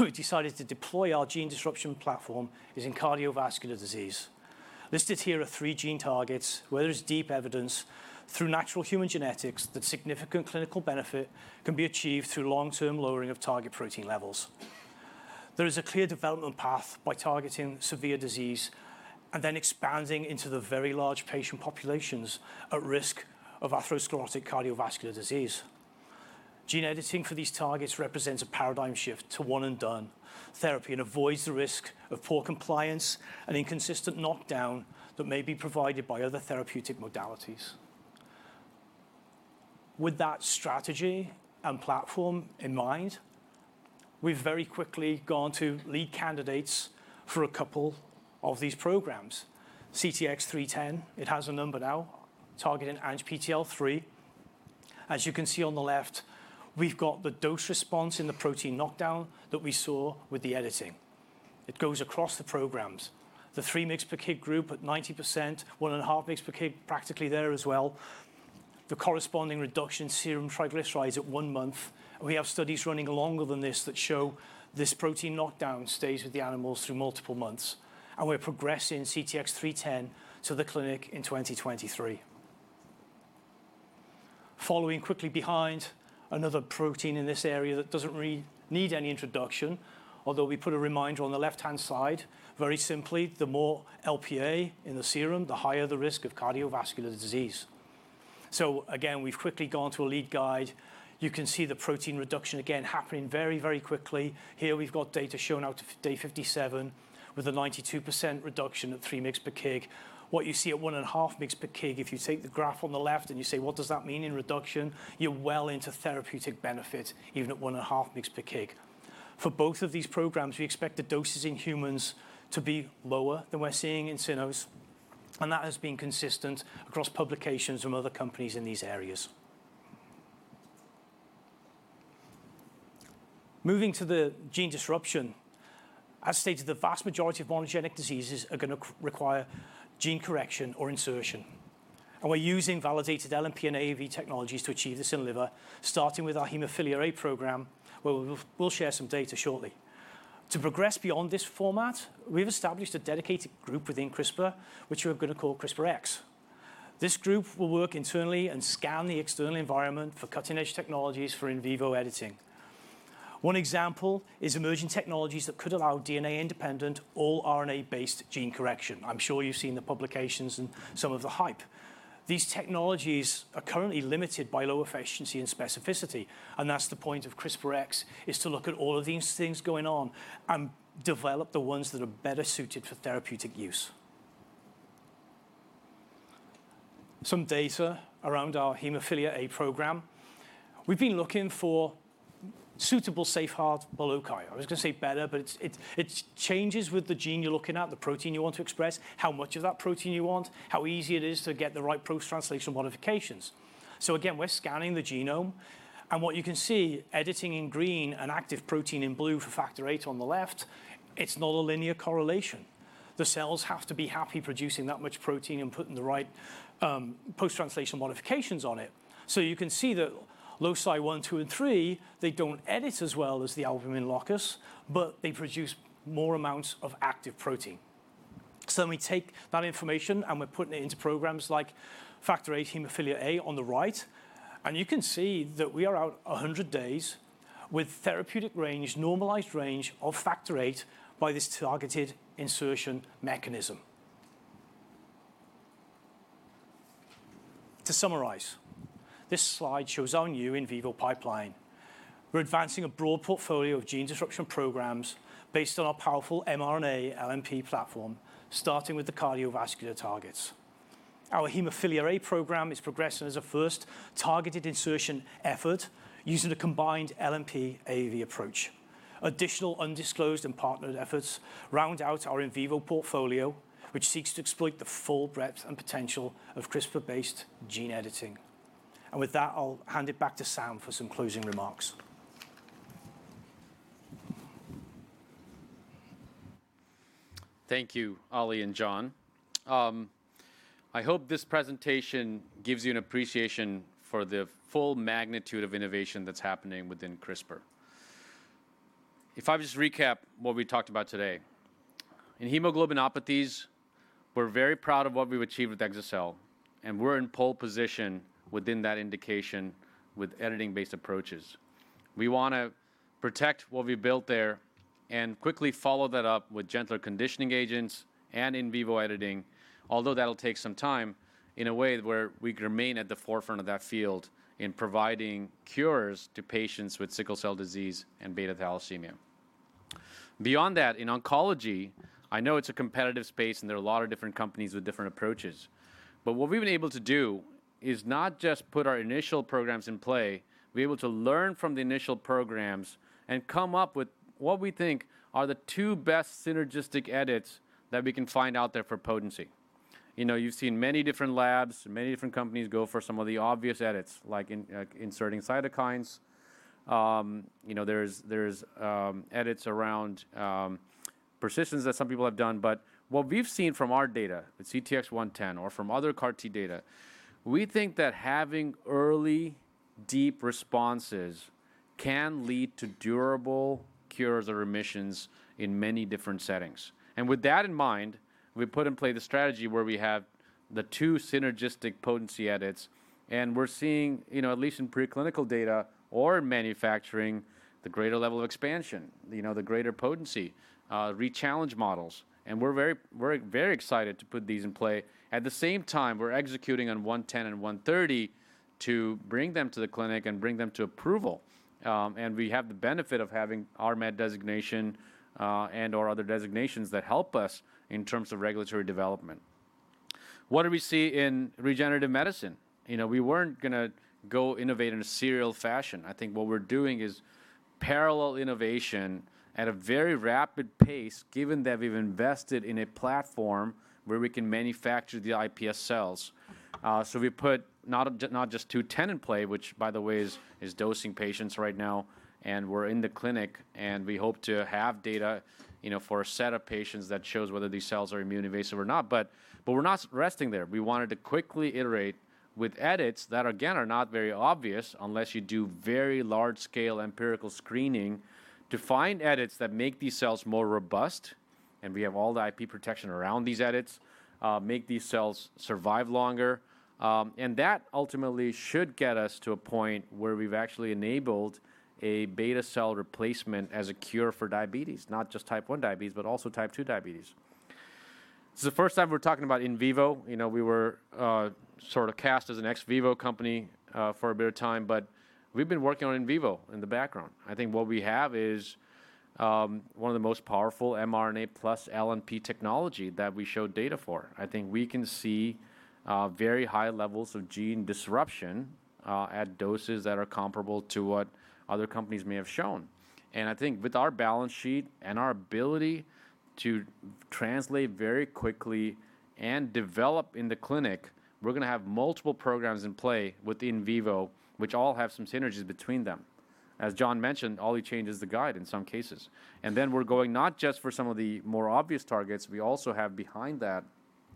we decided to deploy our gene disruption platform is in cardiovascular disease. Listed here are three gene targets where there's deep evidence through natural human genetics that significant clinical benefit can be achieved through long-term lowering of target protein levels. There is a clear development path by targeting severe disease and then expanding into the very large patient populations at risk of atherosclerotic cardiovascular disease. Gene editing for these targets represents a paradigm shift to one and done therapy, and avoids the risk of poor compliance and inconsistent knockdown that may be provided by other therapeutic modalities. With that strategy and platform in mind, we've very quickly gone to lead candidates for a couple of these programs. CTX310, it has a number now, targeting ANGPTL3. As you can see on the left, we've got the dose response in the protein knockdown that we saw with the editing. It goes across the programs. The 3 mg per kg group at 90%, 1.5 mg per kg practically there as well. The corresponding reduction in serum triglycerides at 1 month. We have studies running longer than this that show this protein knockdown stays with the animals through multiple months, and we're progressing CTX310 to the clinic in 2023. Following quickly behind another protein in this area that doesn't need any introduction, although we put a reminder on the left-hand side, very simply, the more Lp(a) in the serum, the higher the risk of cardiovascular disease. Again, we've quickly gone to a lead candidate. You can see the protein reduction again happening very, very quickly. Here we've got data shown out to day 57 with a 92% reduction at 3 mg per kg. What you see at 1.5 mg per kg, if you take the graph on the left and you say, "What does that mean in reduction?" You're well into therapeutic benefit, even at 1.5 mg per kg. For both of these programs, we expect the doses in humans to be lower than we're seeing in cynos, and that has been consistent across publications from other companies in these areas. Moving to the gene disruption, as stated, the vast majority of monogenic diseases are gonna require gene correction or insertion, and we're using validated LNP and AAV technologies to achieve this in liver, starting with our hemophilia A program, where we'll share some data shortly. To progress beyond this format, we've established a dedicated group within CRISPR, which we're gonna call CRISPR-X. This group will work internally and scan the external environment for cutting-edge technologies for in vivo editing. One example is emerging technologies that could allow DNA-independent, all RNA-based gene correction. I'm sure you've seen the publications and some of the hype. These technologies are currently limited by low efficiency and specificity, and that's the point of CRISPR-X, is to look at all of these things going on and develop the ones that are better suited for therapeutic use. Some data around our hemophilia A program. We've been looking for suitable safe harbor loci. I was gonna say better, but it changes with the gene you're looking at, the protein you want to express, how much of that protein you want, how easy it is to get the right post-translational modifications. So again, we're scanning the genome, and what you can see, editing in green and active protein in blue for Factor VIII on the left, it's not a linear correlation. The cells have to be happy producing that much protein and putting the right post-translational modifications on it. You can see that loci one, two, and three, they don't edit as well as the albumin locus, but they produce more amounts of active protein. We take that information, and we're putting it into programs like Factor VIII hemophilia A on the right, and you can see that we are out 100 days with therapeutic range, normalized range of Factor VIII by this targeted insertion mechanism. To summarize, this slide shows our new in vivo pipeline. We're advancing a broad portfolio of gene disruption programs based on our powerful mRNA LNP platform, starting with the cardiovascular targets. Our hemophilia A program is progressing as a first targeted insertion effort using a combined LNP AAV approach. Additional undisclosed and partnered efforts round out our in vivo portfolio, which seeks to exploit the full breadth and potential of CRISPR-based gene editing. With that, I'll hand it back to Sam for some closing remarks. Thank you, Ali and Jon. I hope this presentation gives you an appreciation for the full magnitude of innovation that's happening within CRISPR. If I just recap what we talked about today, in hemoglobinopathies, we're very proud of what we've achieved with exa-cel, and we're in pole position within that indication with editing-based approaches. We wanna protect what we built there and quickly follow that up with gentler conditioning agents and in vivo editing, although that'll take some time, in a way where we remain at the forefront of that field in providing cures to patients with sickle cell disease and beta thalassemia. Beyond that, in oncology, I know it's a competitive space, and there are a lot of different companies with different approaches, but what we've been able to do is not just put our initial programs in play, we're able to learn from the initial programs and come up with what we think are the two best synergistic edits that we can find out there for potency. You know, you've seen many different labs, many different companies go for some of the obvious edits, like inserting cytokines. You know, there's edits around persistence that some people have done. But what we've seen from our data with CTX110 or from other CAR T data, we think that having early deep responses can lead to durable cures or remissions in many different settings. With that in mind, we put in play the strategy where we have the two synergistic potency edits, and we're seeing, you know, at least in preclinical data or in manufacturing, the greater level of expansion, you know, the greater potency, rechallenge models, and we're very excited to put these in play. At the same time, we're executing on 110 and 130 to bring them to the clinic and bring them to approval, and we have the benefit of having RMAT designation, and/or other designations that help us in terms of regulatory development. What do we see in regenerative medicine? You know, we weren't gonna go innovate in a serial fashion. I think what we're doing is parallel innovation at a very rapid pace, given that we've invested in a platform where we can manufacture the iPS cells. We put not just 210 in play, which by the way is dosing patients right now, and we're in the clinic, and we hope to have data, you know, for a set of patients that shows whether these cells are immunoevasive or not. We're not resting there. We wanted to quickly iterate with edits that again, are not very obvious unless you do very large scale empirical screening to find edits that make these cells more robust, and we have all the IP protection around these edits, make these cells survive longer, and that ultimately should get us to a point where we've actually enabled a beta cell replacement as a cure for diabetes, not just type 1 diabetes, but also type 2 diabetes. This is the first time we're talking about in vivo. You know, we were sort of cast as an ex vivo company for a bit of time, but we've been working on in vivo in the background. I think what we have is one of the most powerful mRNA plus LNP technology that we showed data for. I think we can see very high levels of gene disruption at doses that are comparable to what other companies may have shown. I think with our balance sheet and our ability to translate very quickly and develop in the clinic, we're gonna have multiple programs in play with the in vivo, which all have some synergies between them. As Jon mentioned, all it changes the guide in some cases. We're going not just for some of the more obvious targets, we also have behind that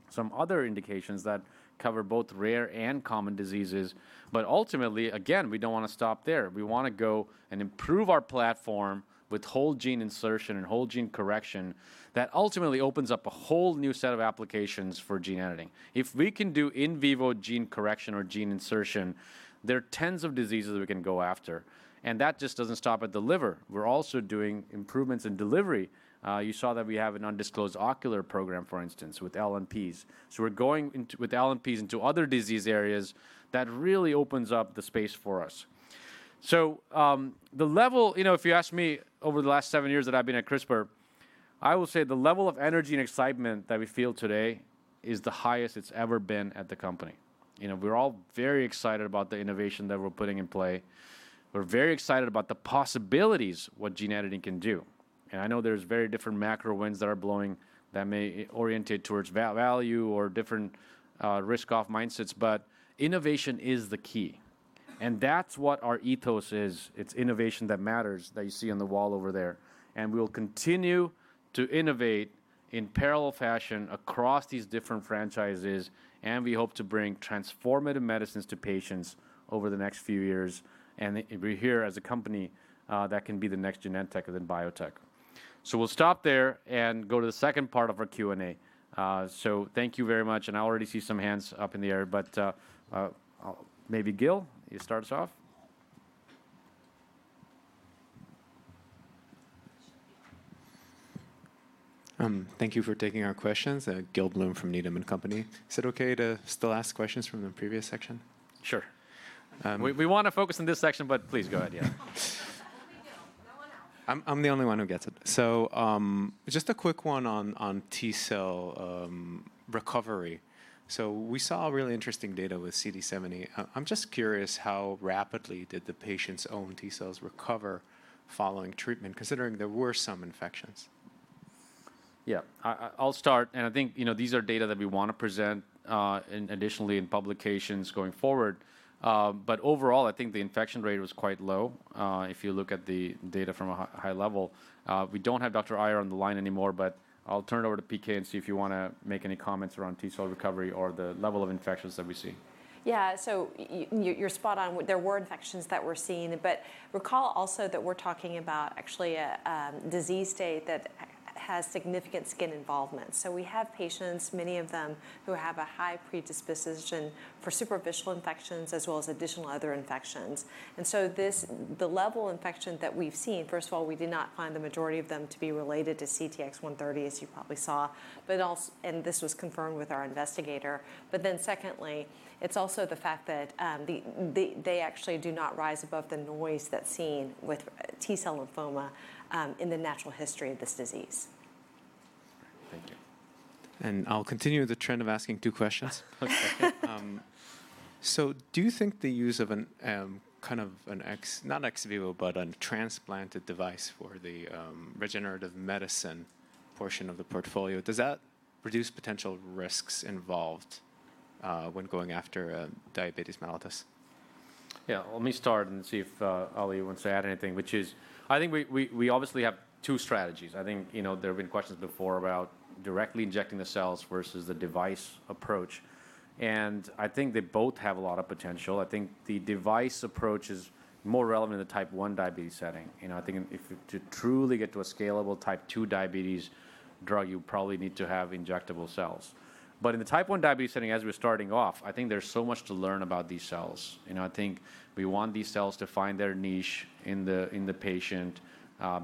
some other indications that cover both rare and common diseases. Ultimately, again, we don't wanna stop there. We wanna go and improve our platform with whole gene insertion and whole gene correction that ultimately opens up a whole new set of applications for gene editing. If we can do in vivo gene correction or gene insertion, there are tens of diseases we can go after, and that just doesn't stop at the liver. We're also doing improvements in delivery. You saw that we have an undisclosed ocular program, for instance, with LNPs. We're going into, with LNPs into other disease areas that really opens up the space for us. The level... You know, if you ask me over the last seven years that I've been at CRISPR, I'll say the level of energy and excitement that we feel today is the highest it's ever been at the company. You know, we're all very excited about the innovation that we're putting in play. We're very excited about the possibilities, what gene editing can do, and I know there's very different macro winds that are blowing that may orientate towards value or different, risk-off mindsets, but innovation is the key, and that's what our ethos is. It's innovation that matters that you see on the wall over there, and we'll continue to innovate in parallel fashion across these different franchises, and we hope to bring transformative medicines to patients over the next few years, and we're here as a company that can be the next Genentech within biotech. We'll stop there and go to the second part of our Q&A. Thank you very much, and I already see some hands up in the air, but maybe Gil, you start us off. Thank you for taking our questions. Gil Blum from Needham & Company. Is it okay to still ask questions from the previous section? Sure. Um- We wanna focus on this section, but please go ahead, yeah. Only Gil. No one else. I'm the only one who gets it. Just a quick one on T-cell recovery. We saw really interesting data with CD70. I'm just curious how rapidly did the patient's own T cells recover following treatment considering there were some infections? Yeah. I'll start, and I think, you know, these are data that we wanna present, additionally, in publications going forward. Overall, I think the infection rate was quite low if you look at the data from a high level. We don't have Dr. Iyer on the line anymore, but I'll turn it over to PK and see if you wanna make any comments around T cell recovery or the level of infections that we see. Yeah. You're spot on. There were infections that we're seeing, but recall also that we're talking about actually a disease state that has significant skin involvement. We have patients, many of them who have a high predisposition for superficial infections as well as additional other infections. The level of infection that we've seen, first of all, we did not find the majority of them to be related to CTX130, as you probably saw. This was confirmed with our investigator. Secondly, it's also the fact that they actually do not rise above the noise that's seen with T-cell lymphoma in the natural history of this disease. Thank you. I'll continue the trend of asking two questions. Do you think the use of a kind of a transplanted device for the regenerative medicine portion of the portfolio does that reduce potential risks involved when going after diabetes mellitus? Yeah. Let me start and see if Ali wants to add anything, which is, I think we obviously have two strategies. I think, you know, there have been questions before about directly injecting the cells versus the device approach, and I think they both have a lot of potential. I think the device approach is more relevant to type 1 diabetes setting. You know, I think if to truly get to a scalable type 2 diabetes drug, you probably need to have injectable cells. In the type 1 diabetes setting, as we're starting off, I think there's so much to learn about these cells. You know, I think we want these cells to find their niche in the patient,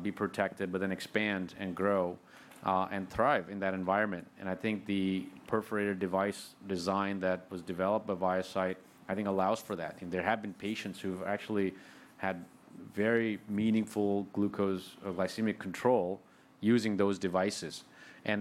be protected, but then expand and grow and thrive in that environment. I think the perforated device design that was developed by ViaCyte, I think allows for that. There have been patients who've actually had very meaningful glucose glycemic control using those devices.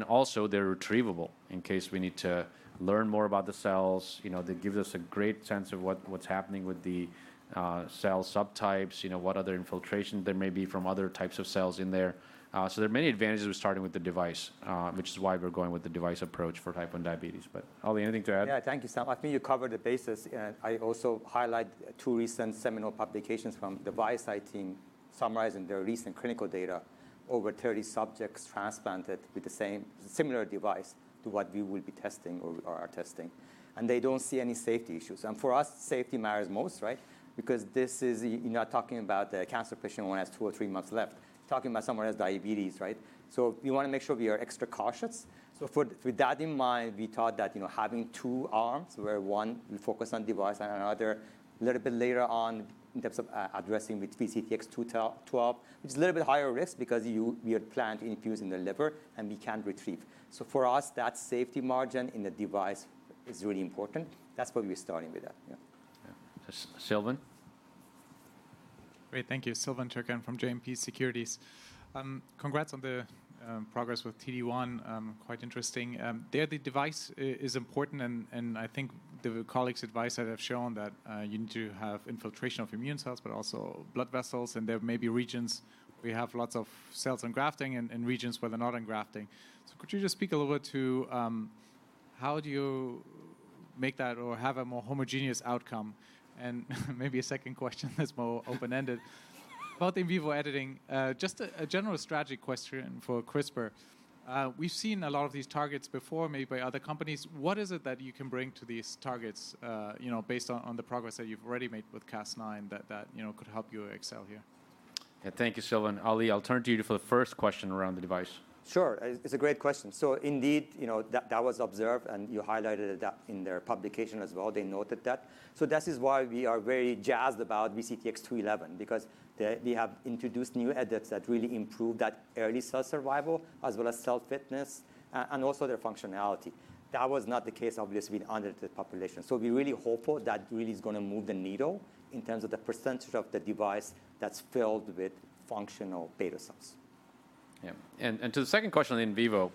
Also, they're retrievable in case we need to learn more about the cells. You know, that gives us a great sense of what's happening with the cell subtypes, you know, what other infiltrations there may be from other types of cells in there. There are many advantages with starting with the device, which is why we're going with the device approach for type 1 diabetes. Ali, anything to add? Yeah. Thank you, Sam. I think you covered the bases, and I also highlight two recent seminal publications from the ViaCyte team summarizing their recent clinical data, over 30 subjects transplanted with the same similar device to what we will be testing or are testing, and they don't see any safety issues. For us, safety matters most, right? Because this is. You're not talking about a cancer patient who has two or three months left. You're talking about someone who has diabetes, right? We wanna make sure we are extra cautious. For that in mind, we thought that, you know, having two arms, where one will focus on device and another a little bit later on in terms of addressing with VCTX212, which is a little bit higher risk because we are planning to infuse in the liver, and we can't retrieve. For us, that safety margin in the device is really important. That's why we're starting with that. Yeah. Yeah. Silvan? Great. Thank you. Silvan Türkcan from JMP Securities. Congrats on the progress with T1D. Quite interesting. There, the device is important and I think the colleagues' advice that have shown that you need to have infiltration of immune cells, but also blood vessels, and there may be regions where you have lots of cells engrafting and regions where they're not engrafting. Could you just speak a little bit to how do you make that or have a more homogeneous outcome? Maybe a second question that's more open-ended. About in vivo editing, just a general strategy question for CRISPR. We've seen a lot of these targets before made by other companies. What is it that you can bring to these targets, you know, based on the progress that you've already made with Cas9 that you know could help you excel here? Yeah. Thank you, Silvan. Ali, I'll turn to you for the first question around the device. Sure. It's a great question. Indeed, you know, that was observed, and you highlighted that in their publication as well. They noted that. This is why we are very jazzed about VCTX211, because they have introduced new edits that really improve that early cell survival as well as cell fitness, and also their functionality. That was not the case, obviously, under the population. We're really hopeful that really is gonna move the needle in terms of the percentage of the device that's filled with functional beta cells. Yeah. To the second question on in vivo,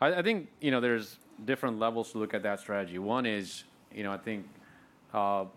I think, you know, there's different levels to look at that strategy. One is, you know, I think,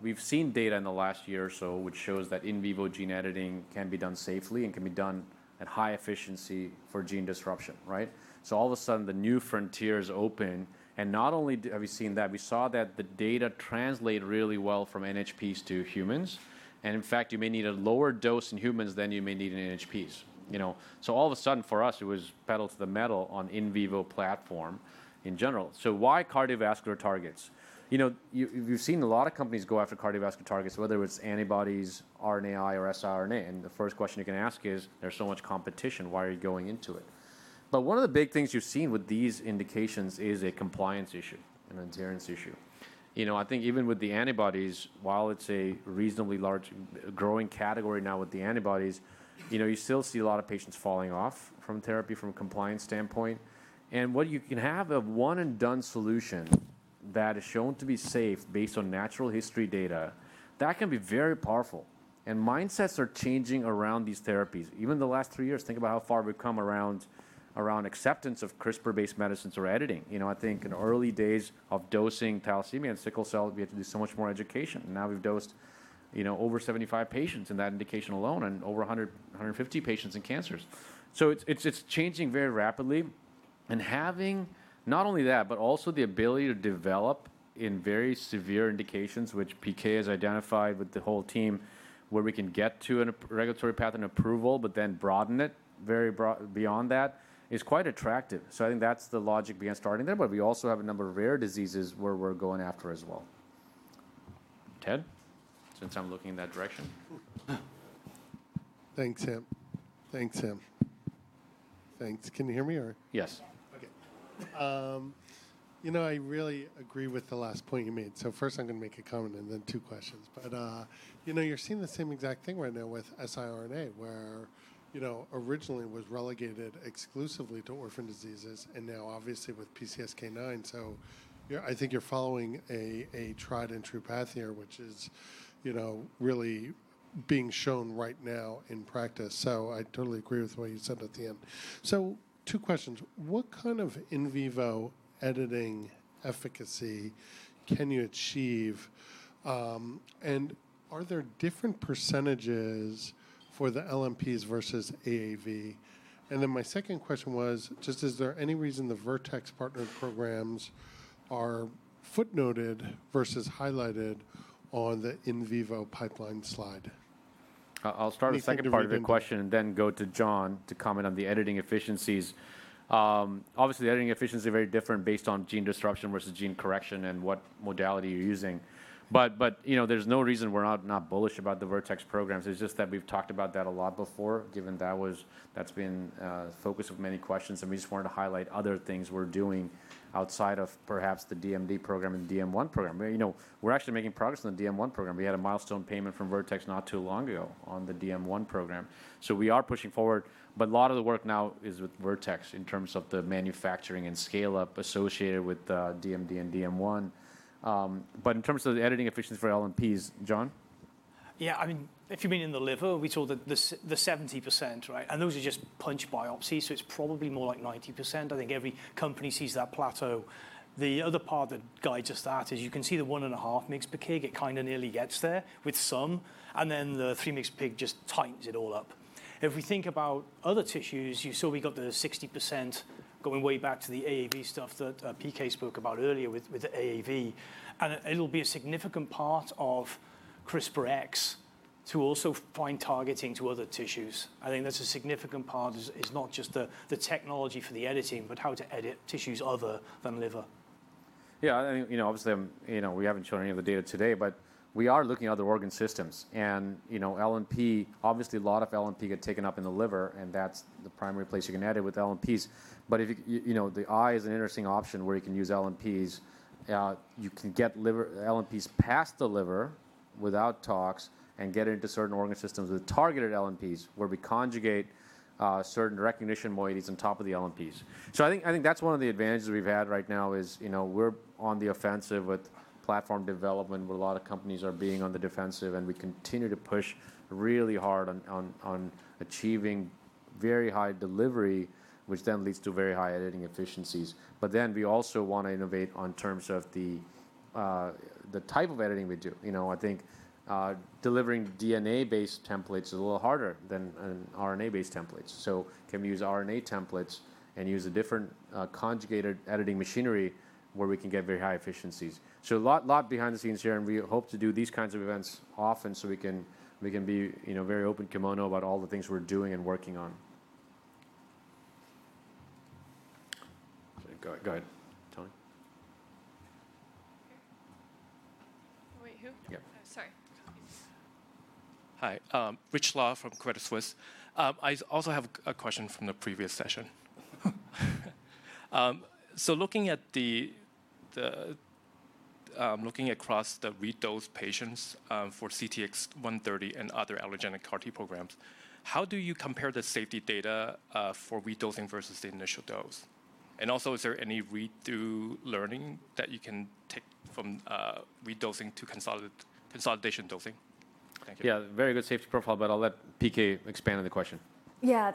we've seen data in the last year or so which shows that in vivo gene editing can be done safely and can be done at high efficiency for gene disruption, right? So all of a sudden the new frontier is open, and not only have we seen that, we saw that the data translate really well from NHPs to humans, and in fact you may need a lower dose in humans than you may need in NHPs. You know, so all of a sudden for us it was pedal to the metal on in vivo platform in general. Why cardiovascular targets? You know, you've seen a lot of companies go after cardiovascular targets, whether it's antibodies, RNAi or siRNA, and the first question you can ask is, there's so much competition, why are you going into it? But one of the big things you've seen with these indications is a compliance issue, an adherence issue. You know, I think even with the antibodies, while it's a reasonably large growing category now with the antibodies, you know, you still see a lot of patients falling off from therapy from a compliance standpoint. When you can have a one and done solution that is shown to be safe based on natural history data, that can be very powerful. Mindsets are changing around these therapies. Even the last three years, think about how far we've come around acceptance of CRISPR-based medicines or editing. You know, I think in early days of dosing thalassemia and sickle cell, we had to do so much more education, and now we've dosed, you know, over 75 patients in that indication alone and over 150 patients in cancers. It's changing very rapidly, and having not only that, but also the ability to develop in very severe indications, which PK has identified with the whole team, where we can get to a regulatory path and approval but then broaden it very beyond that, is quite attractive. I think that's the logic behind starting there, but we also have a number of rare diseases where we're going after as well. Ted, since I'm looking in that direction. Thanks, Sam. Can you hear me or? Yes. Okay. You know, I really agree with the last point you made. First I'm gonna make a comment and then two questions. You know, you're seeing the same exact thing right now with siRNA, where, you know, originally it was relegated exclusively to orphan diseases, and now obviously with PCSK9, so you're I think you're following a tried and true path here, which is, you know, really being shown right now in practice. I totally agree with what you said at the end. Two questions. What kind of in vivo editing efficacy can you achieve? And are there different percentages for the LNPs versus AAV? And then my second question was just is there any reason the Vertex partnered programs are footnoted versus highlighted on the in vivo pipeline slide? I'll start with the second part of your question and thEn go to Jon to comment on the editing efficiencies. Obviously, the editing efficiencies are very different based on gene disruption versus gene correction and what modality you're using. You know, there's no reason we're not bullish about the Vertex programs, it's just that we've talked about that a lot before, given that's been the focus of many questions, and we just wanted to highlight other things we're doing outside of perhaps the DMD program and the DM1 program. You know, we're actually making progress on the DM1 program. We had a milestone payment from Vertex not too long ago on the DM1 program. We are pushing forward, but a lot of the work now is with Vertex in terms of the manufacturing and scale-up associated with DMD and DM1. In terms of the editing efficiencies for LNPs, Jon? Yeah, I mean, if you mean in the liver, we saw that the 70%, right? Those are just punch biopsies, so it's probably more like 90%. I think every company sees that plateau. The other part that guides us to that is you can see the 1.5 mg/kg, it kind of nearly gets there with some, and then the 3 mg/kg just tightens it all up. If we think about other tissues, you saw we got the 60% going way back to the AAV stuff that PK spoke about earlier with the AAV, and it'll be a significant part of CRISPR-X to also find targeting to other tissues. I think that's a significant part is not just the technology for the editing, but how to edit tissues other than liver. Yeah, I think, you know, obviously, we haven't shown any of the data today, but we are looking at other organ systems. You know, LNP, obviously a lot of LNP get taken up in the liver, and that's the primary place you can edit with LNPs. If you know, the eye is an interesting option where you can use LNPs. You can get LNPs past the liver without tox and get into certain organ systems with targeted LNPs, where we conjugate certain recognition moieties on top of the LNPs. I think that's one of the advantages we've had right now is, you know, we're on the offensive with platform development, where a lot of companies are being on the defensive, and we continue to push really hard on achieving very high delivery, which then leads to very high editing efficiencies. We also wanna innovate in terms of the type of editing we do. You know, I think delivering DNA-based templates is a little harder than RNA-based templates. Can we use RNA templates and use a different conjugated editing machinery where we can get very high efficiencies? A lot behind the scenes here, and we hope to do these kinds of events often so we can be, you know, very open kimono about all the things we're doing and working on. Go ahead. Tony? Wait, who? Yeah. Sorry. Hi. Richard Law from Credit Suisse. I also have a question from the previous session. Looking across the redose patients for CTX130 and other allogeneic CAR-T programs, how do you compare the safety data for redosing versus the initial dose? Is there any redosing learning that you can take from redosing to consolidation dosing? Yeah, very good safety profile, but I'll let PK expand on the question. Yeah,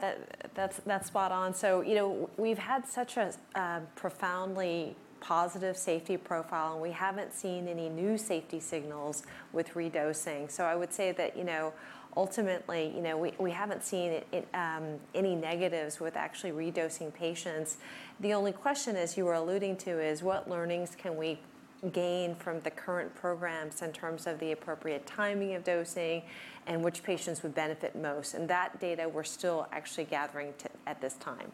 thAt's spot on. You know, we've had such a profoundly positive safety profile, and we haven't seen any new safety signals with redosing. I would say that, you know, ultimately, you know, we haven't seen it any negatives with actually redosing patients. The only question is, you were alluding to, is what learnings can we gain from the current programs in terms of the appropriate timing of dosing and which patients would benefit most? That data we're still actually gathering at this time.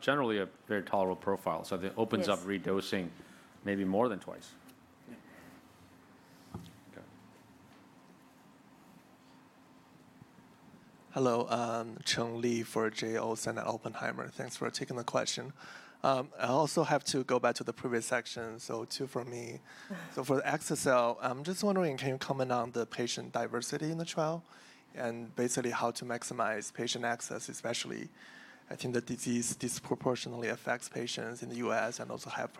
Generally a very tolerable profile. That opens up. Yes. Redosing maybe more than twice. Yeah. Okay. Hello, Cheng Li, Oppenheimer. Thanks for taking the question. I also have to go back to the previous section, so two for me. All right. For the exa-cel, I'm just wondering, can you comment on the patient diversity in the trial and basically how to maximize patient access, especially I think the disease disproportionately affects patients in the U.S. and also have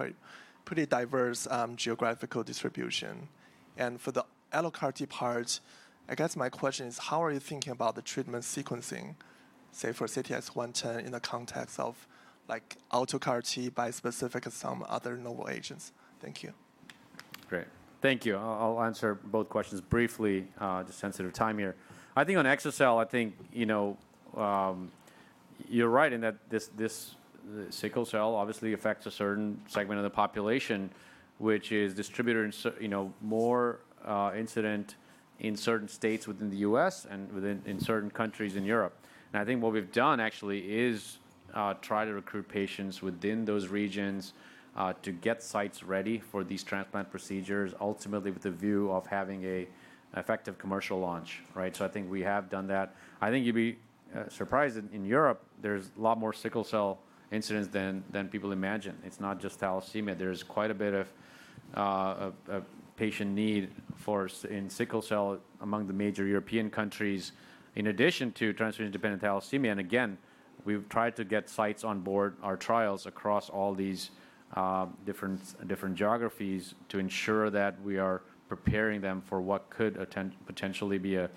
pretty diverse geographical distribution. For the allo CAR T part, I guess my question is, how are you thinking about the treatment sequencing, say for CTX110 in the context of like auto CAR T, bispecific, and some other novel agents? Thank you. Great. Thank you. I'll answer both questions briefly, just sensitive to time here. I think on exa-cel, I think, you know, you're right in that this sickle cell obviously affects a certain segment of the population, which is distributed, you know, more incidence in certain states within the US and in certain countries in Europe. I think what we've done actually is try to recruit patients within those regions to get sites ready for these transplant procedures, ultimately with the view of having an effective commercial launch, right? I think we have done that. I think you'd be surprised in Europe there's a lot more sickle cell incidence than people imagine. It's not just thalassemia. There's quite a bit of patient need for sickle cell among the major European countries in addition to transfusion-independent thalassemia. Again, we've tried to get sites on board our trials across all these different geographies to ensure that we are preparing them for what could potentially be an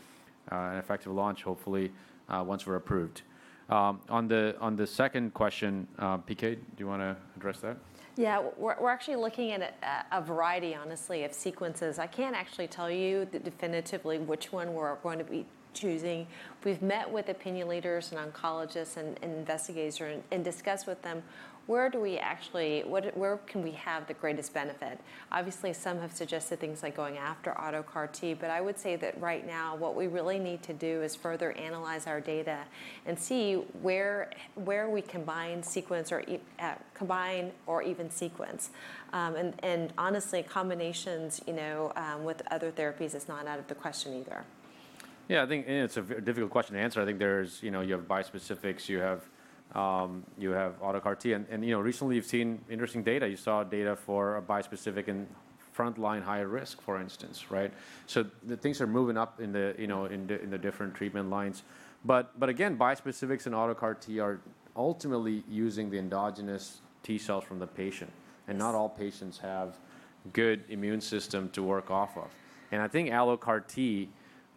effective launch hopefully once we're approved. On the second question, PK, do you wanna address that? Yeah. We're actually looking at a variety, honestly, of sequences. I can't actually tell you definitively which one we're going to be choosing. We've met with opinion leaders and oncologists and investigators and discussed with them, where can we have the greatest benefit? Obviously, some have suggested things like going after allogeneic CAR T. I would say that right now what we really need to do is further analyze our data and see where we combine sequence or combine or even sequence. Honestly, combinations, you know, with other therapies is not out of the question either. Yeah, I think it's a very difficult question to answer. I think there's, you know, you have bispecifics, you have auto CAR T. You know, recently you've seen interesting data. You saw data for a bispecific in frontline higher risk, for instance, right? The things are moving up in the, you know, in the different treatment lines. Again, bispecifics and auto CAR T are ultimately using the endogenous T cells from the patient, and not all patients have good immune system to work off of. I think allo CAR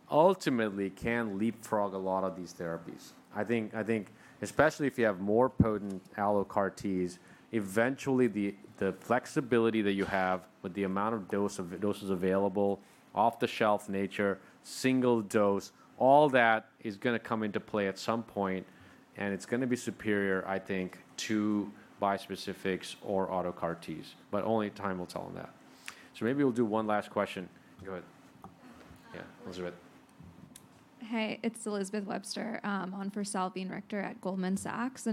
T ultimately can leapfrog a lot of these therapies. I think especially if you have more potent allo CAR Ts, eventually the flexibility that you have with the amount of doses available, off-the-shelf nature, single dose, all that is gonna come into play at some point, and it's gonna be superior, I think, to bispecifics or auto CAR Ts. But only time will tell on that. Maybe we'll do one last question. Go ahead. Yeah, Elizabeth. Hey, it's Elizabeth Webster on for Salveen Richter at Goldman Sachs.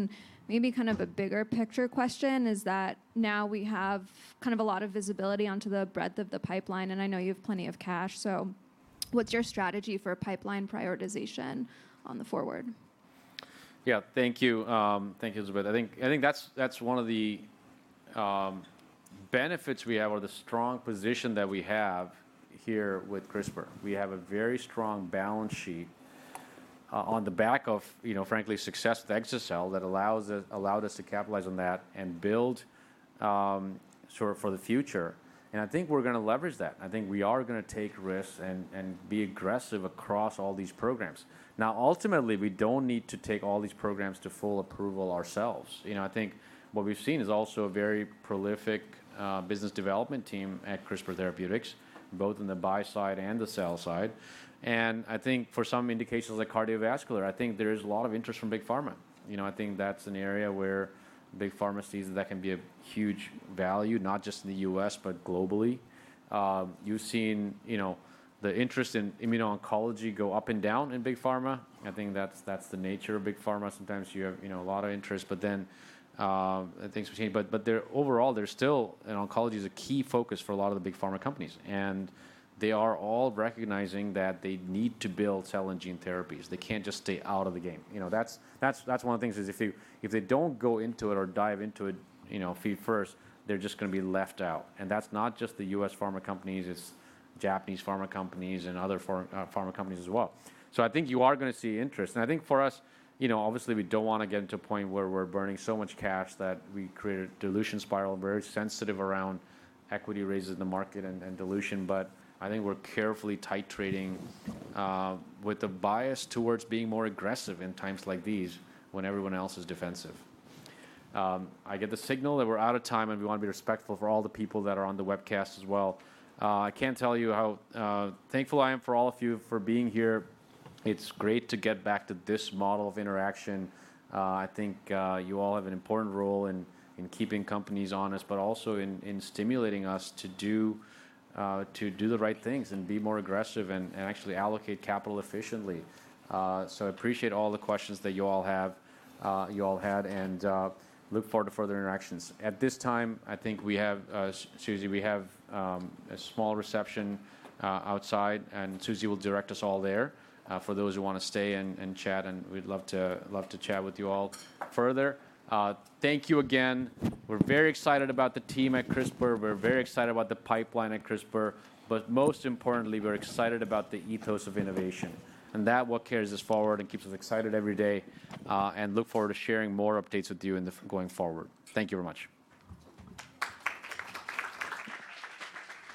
Maybe kind of a bigger picture question is that now we have kind of a lot of visibility onto the breadth of the pipeline, and I know you have plenty of cash, so what's your strategy for pipeline prioritization on the forward? Yeah. Thank you. Thank you, Elizabeth. I think that's one of the benefits we have or the strong position that we have here with CRISPR. We have a very strong balance sheet on the back of, you know, frankly, success with exa-cel that allowed us to capitalize on that and build sort of for the future, and I think we're gonna leverage that. I think we are gonna take risks and be aggressive across all these programs. Now, ultimately, we don't need to take all these programs to full approval ourselves. You know, I think what we've seen is also a very prolific business development team at CRISPR Therapeutics, both in the buy side and the sell side. I think for some indications like cardiovascular, I think there is a lot of interest from Big Pharma. You know, I think that's an area where Big Pharma sees that can be of huge value, not just in the U.S., but globally. You've seen, you know, the interest in immuno-oncology go up and down in Big Pharma. I think that's the nature of Big Pharma. Sometimes you have, you know, a lot of interest, but then and things change. But there, overall, there's still an oncology is a key focus for a lot of the big pharma companies, and they are all recognizing that they need to build cell and gene therapies. They can't just stay out of the game. You know, that's one of the things is if they don't go into it or dive into it, you know, feet first, they're just gonna be left out. That's not just the U.S. pharma companies, it's Japanese pharma companies and other pharma companies as well. I think you are gonna see interest. I think for us, you know, obviously we don't wanna get into a point where we're burning so much cash that we create a dilution spiral. We're very sensitive around equity raises in the market and dilution. I think we're carefully titrating with the bias towards being more aggressive in times like these when everyone else is defensive. I get the signal that we're out of time, and we wanna be respectful for all the people that are on the webcast as well. I can't tell you how thankful I am for all of you for being here. It's great to get back to this model of interaction. I think you all have an important role in keeping companies honest, but also in stimulating us to do the right things and be more aggressive and actually allocate capital efficiently. I appreciate all the questions that you all have, you all had, and look forward to further interactions. At this time, I think we have, Susie, a small reception outside, and Susie will direct us all there for those who wanna stay and chat, and we'd love to chat with you all further. Thank you again. We're very excited about the team at CRISPR. We're very excited about the pipeline at CRISPR. Most importantly, we're excited about the ethos of innovation, and that's what carries us forward and keeps us excited every day, and look forward to sharing more updates with you going forward. Thank you very much.